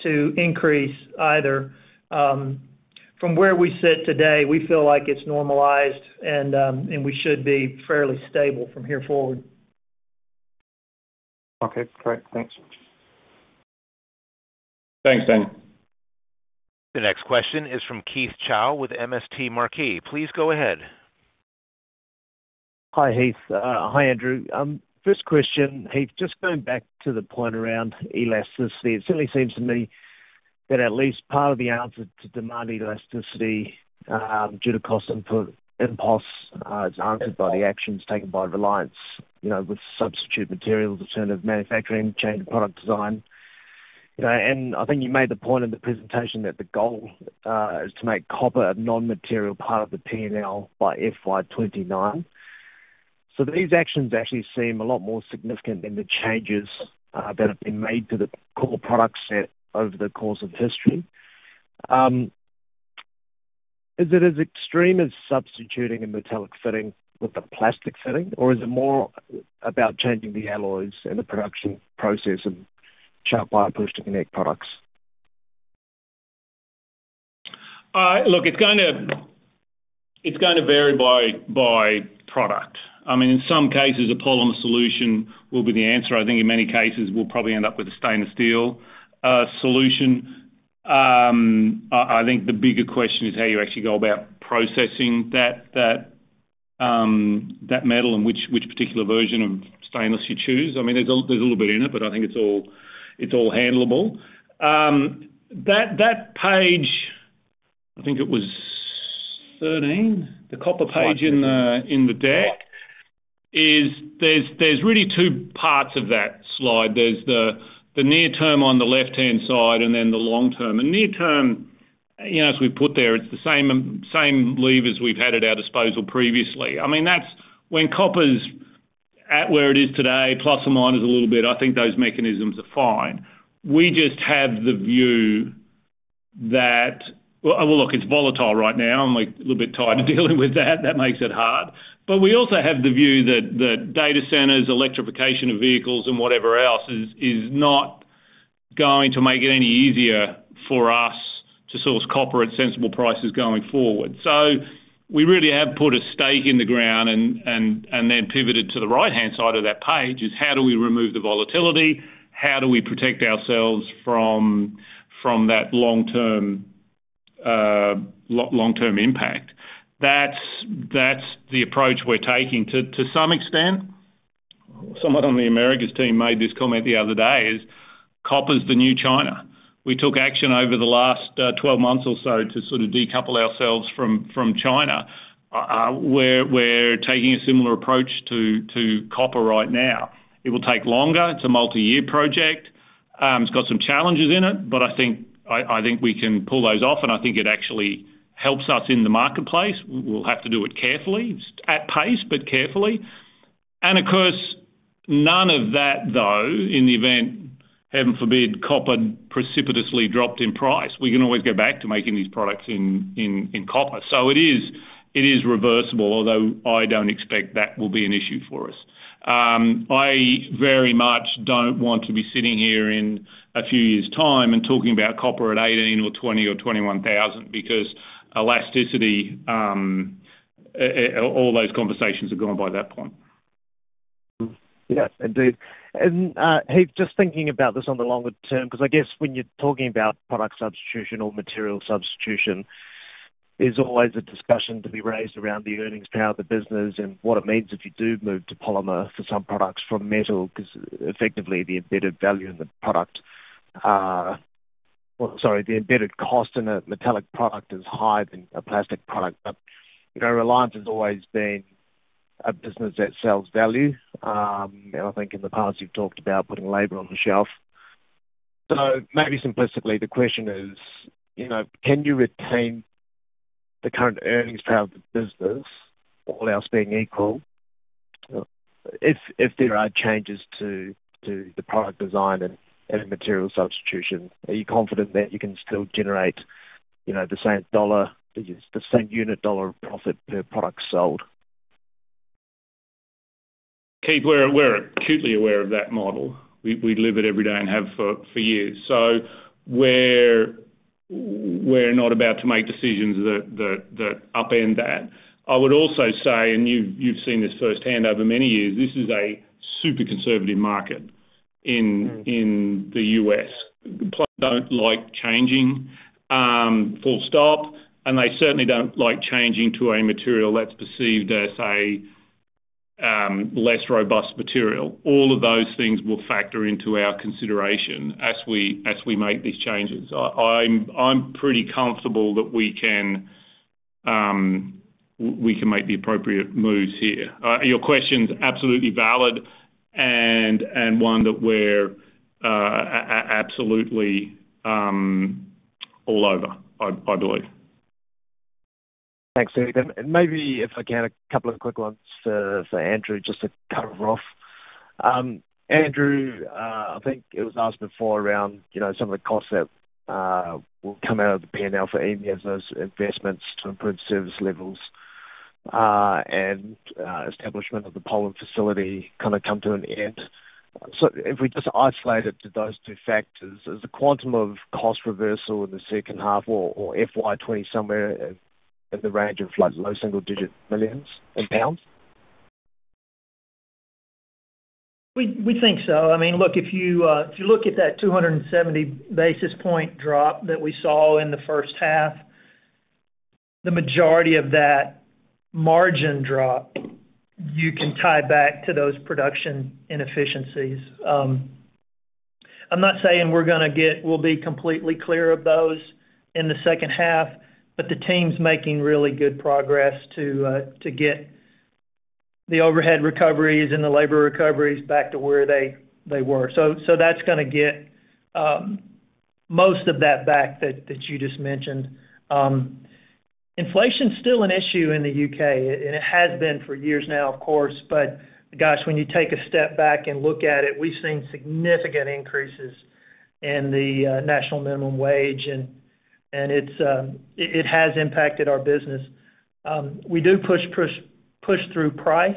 to increase either. From where we sit today, we feel like it's normalized and we should be fairly stable from here forward. Okay, great. Thanks. Thanks, Daniel. The next question is from Keith Chau with MST Marquee. Please go ahead. Hi, Heath. Hi, Andrew. First question, Heath, just going back to the point around elasticity. It certainly seems to me that at least part of the answer to demand elasticity, due to cost input and costs, is answered by the actions taken by Reliance, you know, with substitute materials, alternative manufacturing, change of product design. You know, and I think you made the point in the presentation that the goal is to make copper a non-material part of the P&L by FY 2029. So these actions actually seem a lot more significant than the changes that have been made to the core product set over the course of history. Is it as extreme as substituting a metallic fitting with a plastic fitting, or is it more about changing the alloys and the production process of SharkBite push-to-connect products? Look, it's gonna vary by product. I mean, in some cases, a polymer solution will be the answer. I think in many cases, we'll probably end up with a stainless steel solution. I think the bigger question is how you actually go about processing that metal, and which particular version of stainless you choose. I mean, there's a little bit in it, but I think it's all handleable. That page, I think it was 13, the copper page— Right. In the deck, there's really two parts of that slide. There's the near term on the left-hand side, and then the long term. And near term, you know, as we put there, it's the same, same levers we've had at our disposal previously. I mean, that's when copper's at where it is today, plus or minus a little bit, I think those mechanisms are fine. We just have the view that—well, look, it's volatile right now. I'm, like, a little bit tired of dealing with that. That makes it hard. But we also have the view that data centers, electrification of vehicles, and whatever else, is not going to make it any easier for us to source copper at sensible prices going forward. So we really have put a stake in the ground and then pivoted to the right-hand side of that page, is how do we remove the volatility? How do we protect ourselves from that long-term impact? That's the approach we're taking. To some extent, someone on the Americas team made this comment the other day, is copper's the new China. We took action over the last 12 months or so to sort of decouple ourselves from China. We're taking a similar approach to copper right now. It will take longer. It's a multi-year project. It's got some challenges in it, but I think I think we can pull those off, and I think it actually helps us in the marketplace. We'll have to do it carefully, at pace, but carefully. Of course, none of that, though, in the event, heaven forbid, copper precipitously dropped in price. We can always go back to making these products in copper. So it is reversible, although I don't expect that will be an issue for us. I very much don't want to be sitting here in a few years' time and talking about copper at $18,000 or $20,000 or $21,000 because elasticity, all those conversations are gone by that point. Yeah, indeed. And, Heath, just thinking about this on the longer term, because I guess when you're talking about product substitution or material substitution, there's always a discussion to be raised around the earnings power of the business and what it means if you do move to polymer for some products from metal, because effectively, the embedded value in the product. Well, sorry, the embedded cost in a metallic product is higher than a plastic product. But, you know, Reliance has always been a business that sells value. And I think in the past, you've talked about putting labor on the shelf. So maybe simplistically, the question is, you know, can you retain the current earnings power of the business, all else being equal? If there are changes to the product design and material substitution, are you confident that you can still generate, you know, the same dollar, the same unit dollar of profit per product sold? Keith, we're acutely aware of that model. We live it every day and have for years. So we're not about to make decisions that upend that. I would also say, and you've seen this firsthand over many years, this is a super conservative market in, in the U.S.. Plumbers don't like changing, full stop, and they certainly don't like changing to a material that's perceived as a less robust material. All of those things will factor into our consideration as we make these changes. I'm pretty comfortable that we can make the appropriate moves here. Your question's absolutely valid and one that we're absolutely all over, I believe. Thanks, Heath. And maybe if I can, a couple of quick ones for, for Andrew, just to cover off. Andrew, I think it was asked before around, you know, some of the costs that will come out of the P&L for EMEA as those investments to improve service levels and establishment of the Poland facility kind of come to an end. So if we just isolate it to those two factors, is the quantum of cost reversal in the second half or, or FY 20-somewhere in the range of, like, low single-digit millions GBP? We think so. I mean, look, if you look at that 270 basis point drop that we saw in the first half, the majority of that margin drop, you can tie back to those production inefficiencies. I'm not saying we're gonna get we'll be completely clear of those in the second half, but the team's making really good progress to get the overhead recoveries and the labor recoveries back to where they were. So that's gonna get most of that back, that you just mentioned. Inflation's still an issue in the U.K., and it has been for years now, of course, but gosh, when you take a step back and look at it, we've seen significant increases in the National Minimum Wage, and it's it has impacted our business. We do push, push, push through price.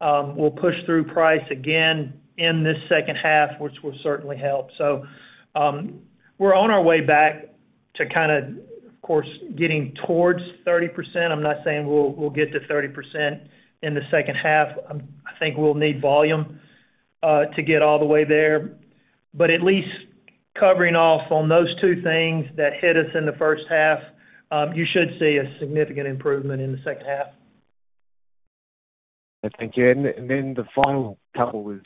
We'll push through price again in this second half, which will certainly help. So, we're on our way back to kind of, of course, getting towards 30%. I'm not saying we'll get to 30% in the second half. I think we'll need volume to get all the way there. But at least covering off on those two things that hit us in the first half, you should see a significant improvement in the second half. Thank you. And then the final couple is,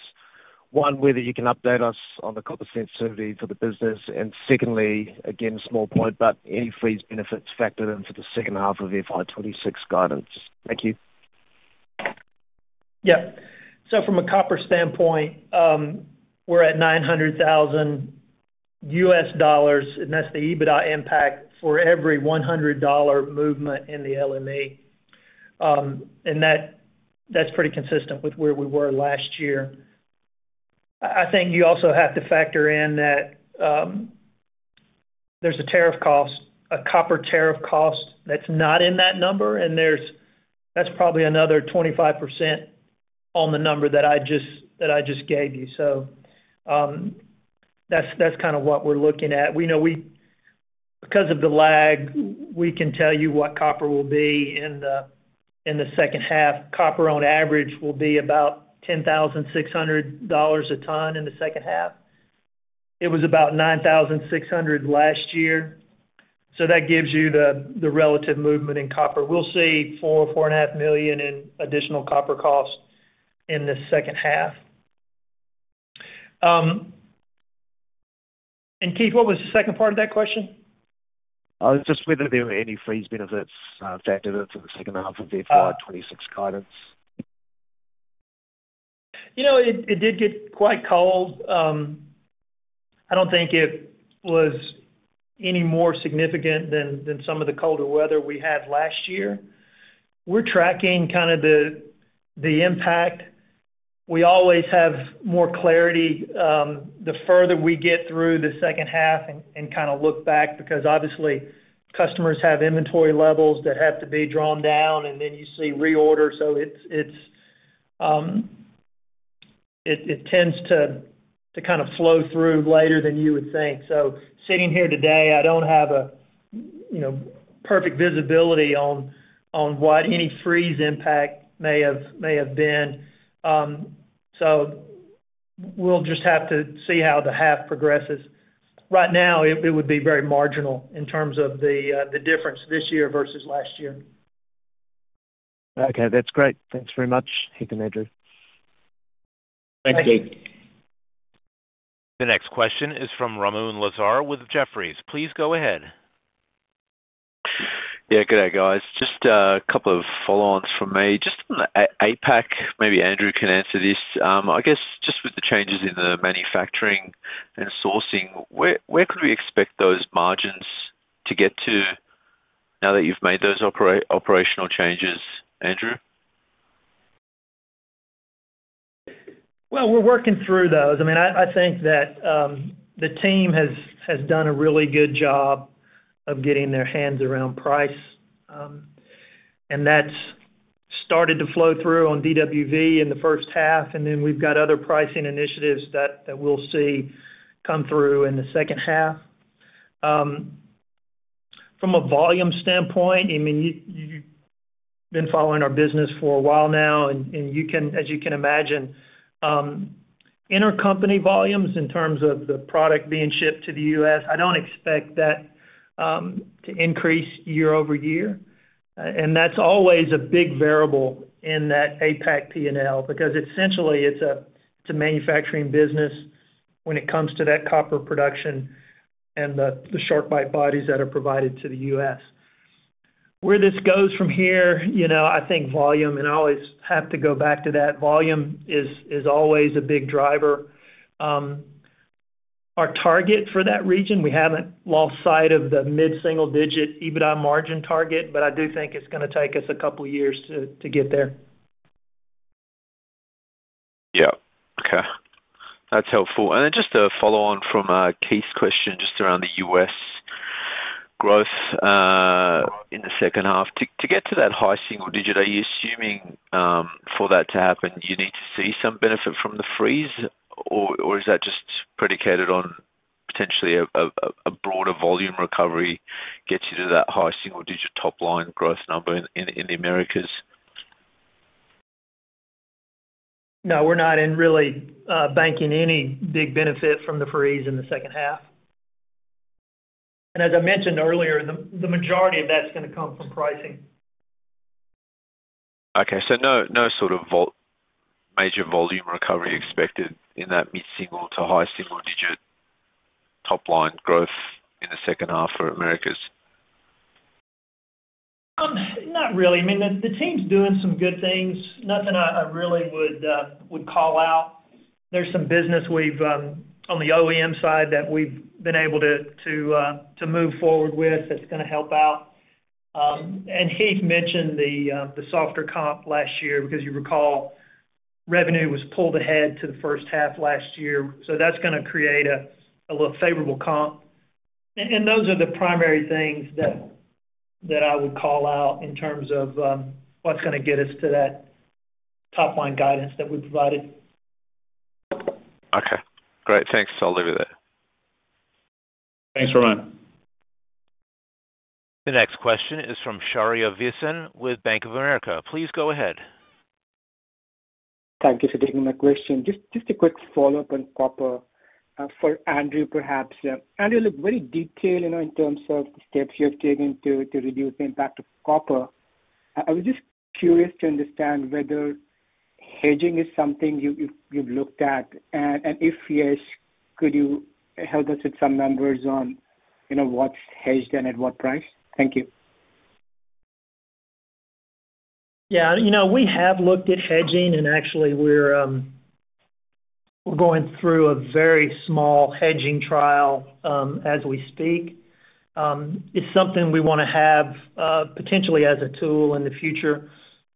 one, whether you can update us on the copper sensitivity for the business. And secondly, again, small point, but any freeze benefits factored into the second half of FY 2026 guidance. Thank you. Yeah. So from a copper standpoint, we're at $900,000, and that's the EBITDA impact for every $100 movement in the LME. And that, that's pretty consistent with where we were last year. I think you also have to factor in that there's a tariff cost, a copper tariff cost that's not in that number, and there's that's probably another 25% on the number that I just gave you. So, that's kind of what we're looking at. We know because of the lag, we can tell you what copper will be in the second half. Copper, on average, will be about $10,600 a ton in the second half. It was about $9,600 last year. So that gives you the relative movement in copper. We'll see $4 million-$4.5 million in additional copper costs in this second half. And Keith, what was the second part of that question? Just whether there were any freeze benefits factored into the second half of FY 2026 guidance? You know, it did get quite cold. I don't think it was any more significant than some of the colder weather we had last year. We're tracking kind of the impact. We always have more clarity the further we get through the second half and kind of look back, because obviously, customers have inventory levels that have to be drawn down, and then you see reorder. So it tends to kind of flow through later than you would think. So sitting here today, I don't have, you know, perfect visibility on what any freeze impact may have been. So we'll just have to see how the half progresses. Right now, it would be very marginal in terms of the difference this year versus last year. Okay, that's great. Thanks very much. Thank you, Andrew. Thank you. Thank you. The next question is from Ramoun Lazar with Jefferies. Please go ahead. Yeah, good day, guys. Just a couple of follow-ons from me. Just on the APAC, maybe Andrew can answer this. I guess, just with the changes in the manufacturing and sourcing, where could we expect those margins to get to now that you've made those operational changes, Andrew? Well, we're working through those. I mean, I think that the team has done a really good job of getting their hands around price. And that's started to flow through on DWV in the first half, and then we've got other pricing initiatives that we'll see come through in the second half. From a volume standpoint, I mean, you've been following our business for a while now, and you can—as you can imagine, intercompany volumes in terms of the product being shipped to the U.S., I don't expect that to increase year-over-year. And that's always a big variable in that APAC P&L, because essentially, it's a manufacturing business when it comes to that copper production and the SharkBite bodies that are provided to the U.S. Where this goes from here, you know, I think volume, and I always have to go back to that, volume is always a big driver. Our target for that region, we haven't lost sight of the mid-single digit EBITDA margin target, but I do think it's gonna take us a couple of years to get there. Yeah. Okay. That's helpful. And then just a follow on from Keith's question, just around the U.S. growth in the second half. To get to that high single digit, are you assuming, for that to happen, you need to see some benefit from the freeze? Or is that just predicated on potentially a broader volume recovery gets you to that high single digit top line growth number in the Americas? No, we're not really banking any big benefit from the freeze in the second half. As I mentioned earlier, the majority of that's gonna come from pricing. Okay. So no, no sort of major volume recovery expected in that mid-single-digit to high-single-digit top-line growth in the second half for Americas? Not really. I mean, the team's doing some good things. Nothing I really would call out. There's some business we've on the OEM side, that we've been able to move forward with, that's gonna help out. And Keith mentioned the softer comp last year, because you recall, revenue was pulled ahead to the first half last year. So that's gonna create a little favorable comp. And those are the primary things that I would call out in terms of what's gonna get us to that top line guidance that we provided. Okay, great. Thanks. I'll leave it there. Thanks, Ramoun. The next question is from Shaurya Visen with Bank of America. Please go ahead. Thank you for taking my question. Just a quick follow-up on copper for Andrew, perhaps. Yeah. Andrew, look, very detailed, you know, in terms of the steps you have taken to reduce the impact of copper. I was just curious to understand whether hedging is something you've looked at? And if yes, could you help us with some numbers on, you know, what's hedged and at what price? Thank you. Yeah, you know, we have looked at hedging, and actually we're going through a very small hedging trial as we speak. It's something we wanna have potentially as a tool in the future,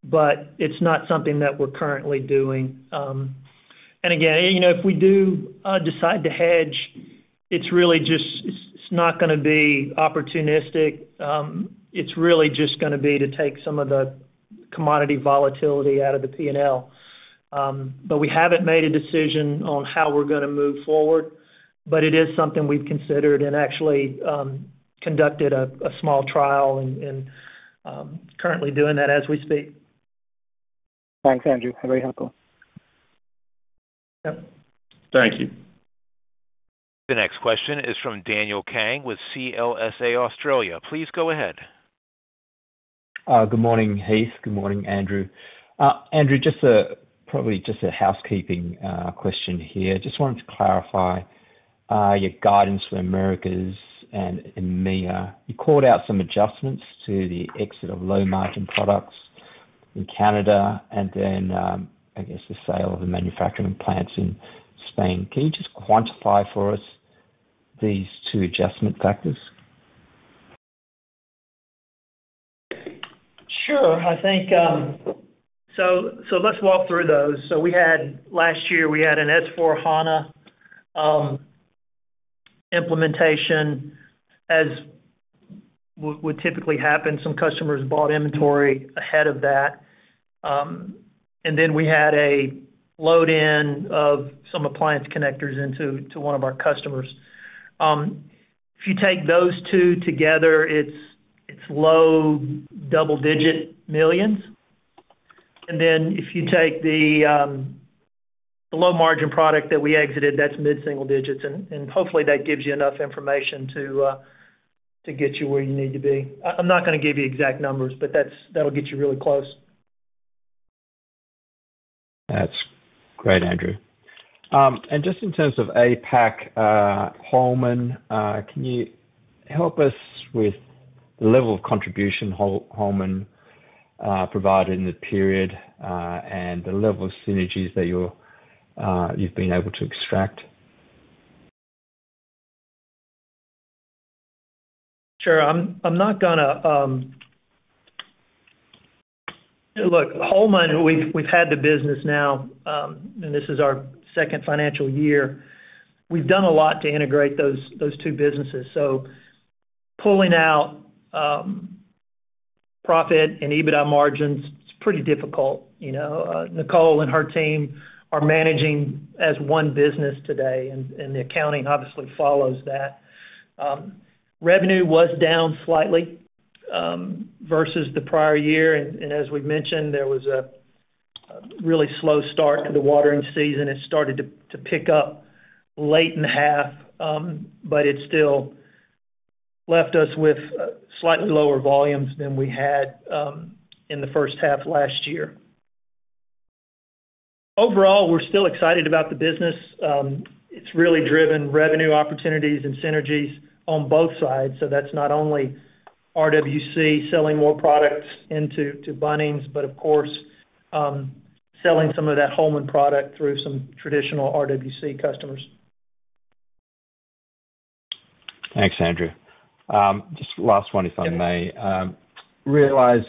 but it's not something that we're currently doing. And again, you know, if we do decide to hedge, it's really just—it's not gonna be opportunistic. It's really just gonna be to take some of the commodity volatility out of the P&L. But we haven't made a decision on how we're gonna move forward, but it is something we've considered and actually conducted a small trial and currently doing that as we speak. Thanks, Andrew. That was very helpful. Yep. Thank you. The next question is from Daniel Kang with CLSA Australia. Please go ahead. Good morning, Heath. Good morning, Andrew. Andrew, probably just a housekeeping question here. Just wanted to clarify your guidance for Americas and EMEA. You called out some adjustments to the exit of low-margin products in Canada and then, I guess, the sale of the manufacturing plants in Spain. Can you just quantify for us these two adjustment factors? Sure. I think, so let's walk through those. So we had last year, we had an S/4 HANA implementation. As would typically happen, some customers bought inventory ahead of that. And then we had a load-in of some appliance connectors into one of our customers. If you take those two together, it's low double-digit millions. And then, if you take the low-margin product that we exited, that's mid-single digits, and hopefully, that gives you enough information to get you where you need to be. I'm not gonna give you exact numbers, but that's, that'll get you really close. That's great, Andrew. Just in terms of APAC, Holman, can you help us with the level of contribution Holman provided in the period, and the level of synergies that you've been able to extract? Sure. I'm not gonna—Look, Holman, we've had the business now, and this is our second financial year. We've done a lot to integrate those two businesses. So pulling out profit and EBITDA margins, it's pretty difficult, you know. Nicole and her team are managing as one business today, and the accounting obviously follows that. Revenue was down slightly versus the prior year. And as we've mentioned, there was a really slow start to the watering season. It started to pick up late in the half, but it still left us with slightly lower volumes than we had in the first half last year. Overall, we're still excited about the business. It's really driven revenue opportunities and synergies on both sides, so that's not only RWC selling more products into Bunnings, but of course, selling some of that Holman product through some traditional RWC customers. Thanks, Andrew. Just last one, if I may. Yeah. Realize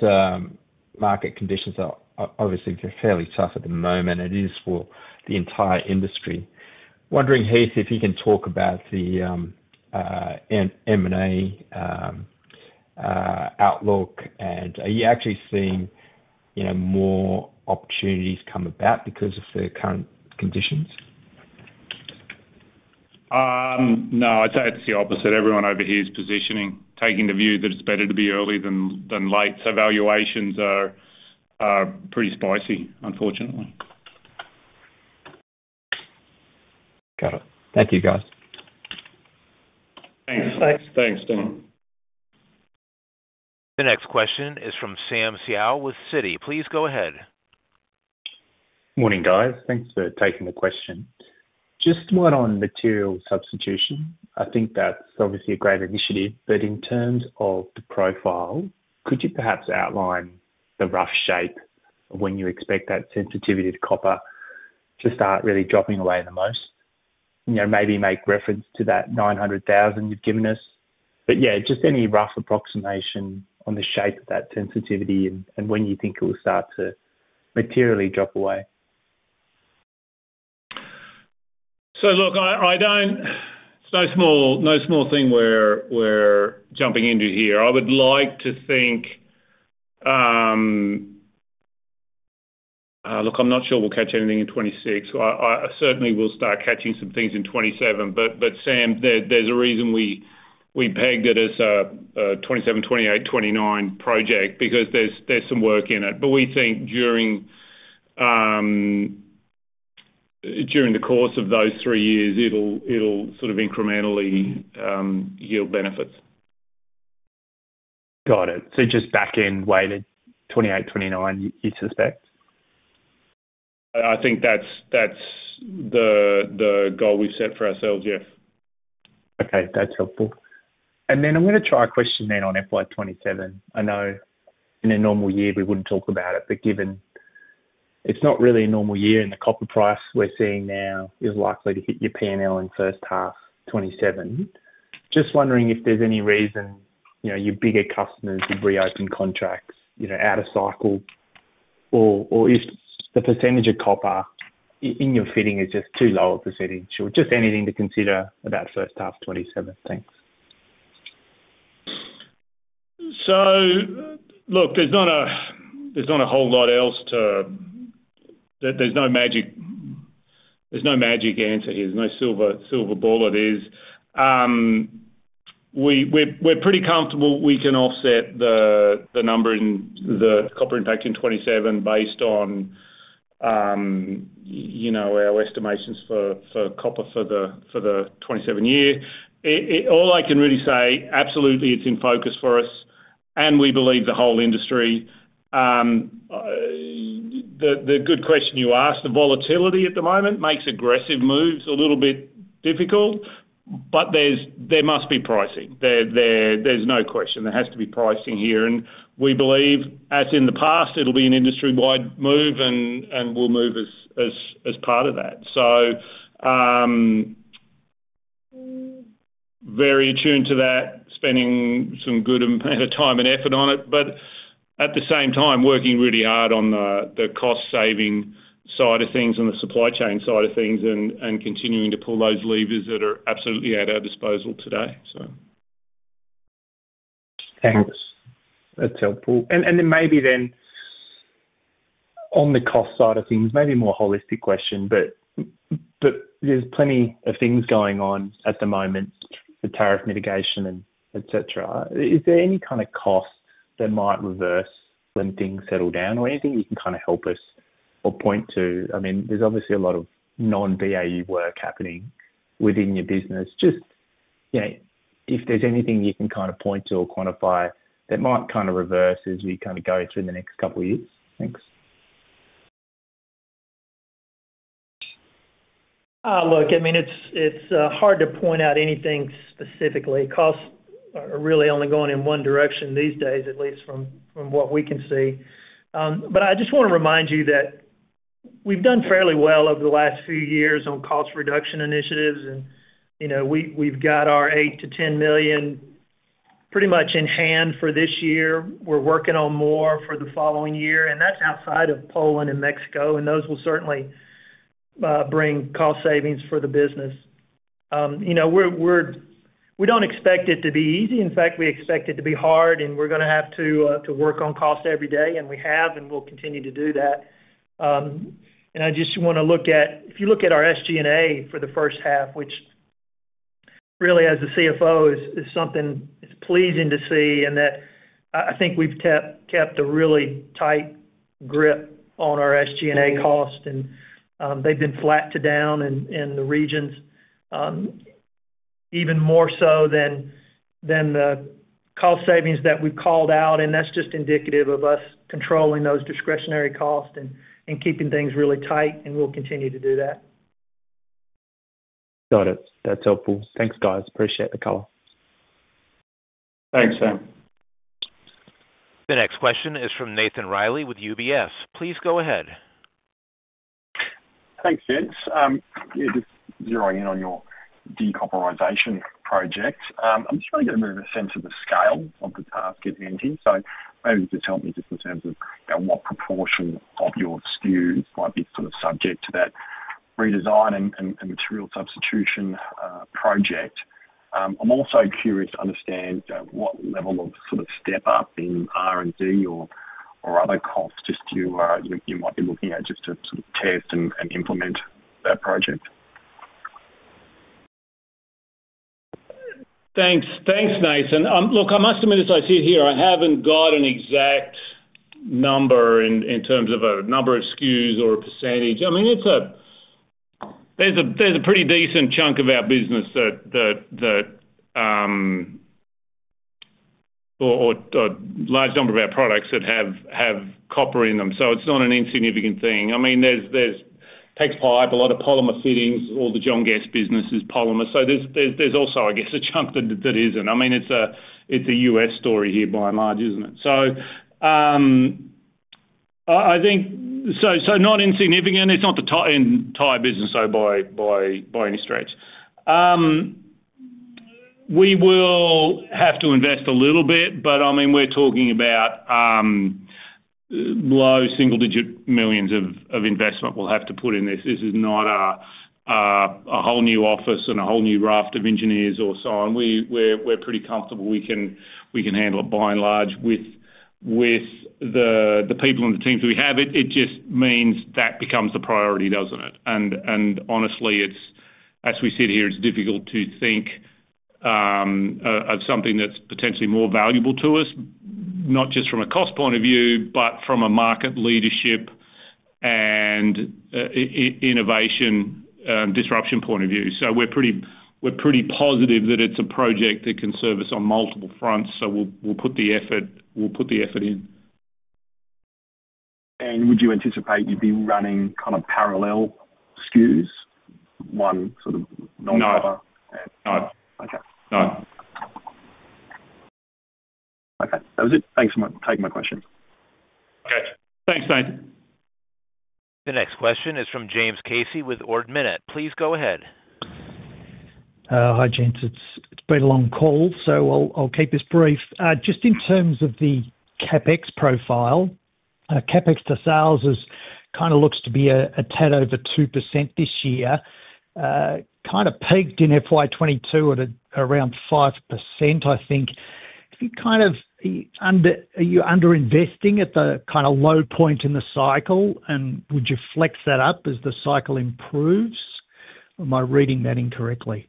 market conditions are obviously fairly tough at the moment. It is for the entire industry. Wondering, Heath, if you can talk about the M&A outlook, and are you actually seeing, you know, more opportunities come about because of the current conditions? No, I'd say it's the opposite. Everyone over here is positioning, taking the view that it's better to be early than late, so valuations are pretty spicy, unfortunately. Got it. Thank you, guys. Thanks. Thanks. Thanks, Daniel. The next question is from Sam Seow with Citi. Please go ahead. Morning, guys. Thanks for taking the question. Just one on material substitution. I think that's obviously a great initiative, but in terms of the profile, could you perhaps outline the rough shape of when you expect that sensitivity to copper to start really dropping away the most? You know, maybe make reference to that $900,000 you've given us. But yeah, just any rough approximation on the shape of that sensitivity and when you think it will start to materially drop away. So look, I don't. No small, no small thing we're jumping into here. I would like to think. Look, I'm not sure we'll catch anything in 2026. I certainly will start catching some things in 2027, but Sam, there's a reason we pegged it as a 2027, 2028, 2029 project, because there's some work in it. But we think during the course of those three years, it'll sort of incrementally yield benefits. Got it. So just back in weighted 2028, 2029, you suspect? I think that's the goal we've set for ourselves, yeah. Okay, that's helpful. And then I'm gonna try a question then on FY 2027. I know in a normal year, we wouldn't talk about it, but given it's not really a normal year in the copper price we're seeing now is likely to hit your P&L in first half 2027. Just wondering if there's any reason, you know, your bigger customers would reopen contracts, you know, out of cycle, or, or if the percentage of copper in your fitting is just too low a percentage, or just anything to consider about first half 2027. Thanks. So look, there's not a whole lot else to. There, there's no magic, there's no magic answer here. There's no silver, silver bullet is. We're pretty comfortable we can offset the number in the copper impact in 2027 based on, you know, our estimations for copper for the 2027 year. It all I can really say, absolutely, it's in focus for us, and we believe the whole industry. The good question you asked, the volatility at the moment makes aggressive moves a little bit difficult, but there must be pricing. There there's no question. There has to be pricing here, and we believe, as in the past, it'll be an industry-wide move, and we'll move as part of that. So, very attuned to that, spending some good amount of time and effort on it, but at the same time, working really hard on the cost-saving side of things and the supply chain side of things, and continuing to pull those levers that are absolutely at our disposal today, so. Thanks. That's helpful. And then maybe on the cost side of things, maybe a more holistic question, but there's plenty of things going on at the moment, the tariff mitigation, and et cetera. Is there any kind of cost that might reverse when things settle down or anything you can kind of help us or point to? I mean, there's obviously a lot of non-BAU work happening within your business. Just, you know, if there's anything you can kind of point to or quantify that might kind of reverse as we kind of go through the next couple of years. Thanks. Look, I mean, it's hard to point out anything specifically. Costs are really only going in one direction these days, at least from what we can see. But I just want to remind you that we've done fairly well over the last few years on cost reduction initiatives, and, you know, we've got our $8 million-$10 million pretty much in hand for this year. We're working on more for the following year, and that's outside of Poland and Mexico, and those will certainly bring cost savings for the business. You know, we don't expect it to be easy. In fact, we expect it to be hard, and we're gonna have to work on cost every day, and we have, and we'll continue to do that. And I just wanna look at, if you look at our SG&A for the first half, which really, as the CFO, is something that's pleasing to see, and that I think we've kept a really tight grip on our SG&A costs, and they've been flat to down in the regions, even more so than the cost savings that we've called out, and that's just indicative of us controlling those discretionary costs and keeping things really tight, and we'll continue to do that. Got it. That's helpful. Thanks, guys. Appreciate the color. Thanks, Sam. The next question is from Nathan Reilly with UBS. Please go ahead. Thanks, James. Yeah, just zeroing in on your de-copperization project. I'm just trying to get a bit of a sense of the scale of the task at hand here. So maybe just help me just in terms of, you know, what proportion of your SKUs might be sort of subject to that redesign and, and material substitution, project. I'm also curious to understand, what level of sort of step up in R&D or, or other costs just you are, you, you might be looking at just to sort of test and, and implement that project. Thanks. Thanks, Nathan. Look, I must admit, as I sit here, I haven't got an exact number in terms of a number of SKUs or a percentage. I mean, there's a pretty decent chunk of our business or large number of our products that have copper in them, so it's not an insignificant thing. I mean, there's PEX pipe, a lot of polymer fittings. All the John Guest business is polymer, so there's also, I guess, a chunk that isn't. I mean, it's a U.S. story here, by and large, isn't it? So, I think—so not insignificant. It's not the entire business, though, by any stretch. We will have to invest a little bit, but I mean, we're talking about low single-digit millions of investment we'll have to put in this. This is not a whole new office and a whole new raft of engineers or so on. We're pretty comfortable we can handle it, by and large, with the people and the teams we have. It just means that becomes the priority, doesn't it? And honestly, it's, as we sit here, it's difficult to think of something that's potentially more valuable to us, not just from a cost point of view, but from a market leadership and innovation disruption point of view. So we're pretty positive that it's a project that can serve us on multiple fronts, so we'll put the effort in. Would you anticipate you'd be running kind of parallel SKUs, one sort of non- No. -and? No. Okay. No.... That was it. Thanks for taking my question. Okay, thanks, Nathan. The next question is from James Casey with Ord Minnett. Please go ahead. Hi, gents. It's been a long call, so I'll keep this brief. Just in terms of the CapEx profile, CapEx to sales kinda looks to be a tad over 2% this year. Kinda peaked in FY 2022 at around 5%, I think. If you kind of under—are you under investing at the kinda low point in the cycle, and would you flex that up as the cycle improves? Am I reading that incorrectly?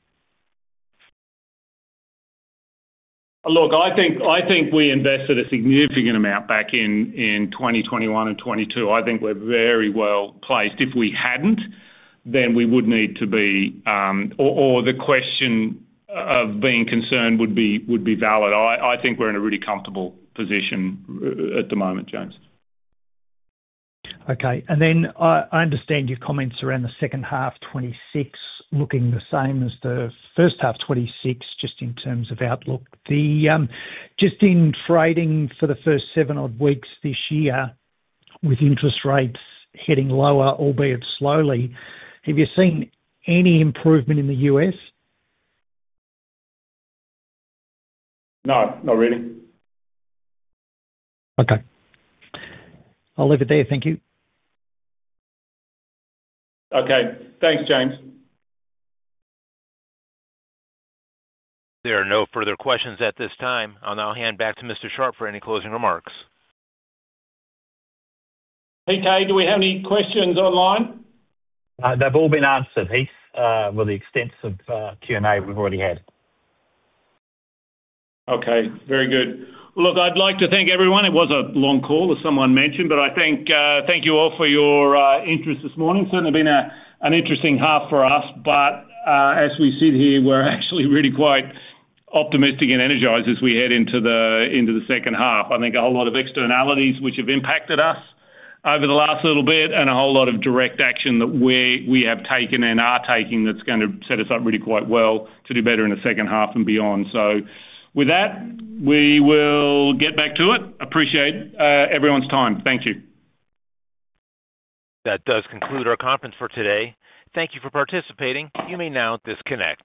Look, I think, I think we invested a significant amount back in, in 2021 and 2022. I think we're very well placed. If we hadn't, then we would need to be. Or, or the question of, being concerned would be, would be valid. I, I think we're in a really comfortable position at the moment, James. Okay. And then I, I understand your comments around the second half 2026, looking the same as the first half 2026, just in terms of outlook. The, just in trading for the first seven odd weeks this year, with interest rates heading lower, albeit slowly, have you seen any improvement in the U.S.? No, not really. Okay. I'll leave it there. Thank you. Okay. Thanks, James. There are no further questions at this time. I'll now hand back to Mr. Sharp for any closing remarks. Hey, Philip, do we have any questions online? They've all been answered, Heath, with the extensive Q&A we've already had. Okay, very good. Look, I'd like to thank everyone. It was a long call, as someone mentioned, but I think, thank you all for your interest this morning. Certainly been a, an interesting half for us, but, as we sit here, we're actually really quite optimistic and energized as we head into the, into the second half. I think a whole lot of externalities, which have impacted us over the last little bit, and a whole lot of direct action that we, we have taken and are taking, that's gonna set us up really quite well to do better in the second half and beyond. So with that, we will get back to it. Appreciate everyone's time. Thank you. That does conclude our conference for today. Thank you for participating. You may now disconnect.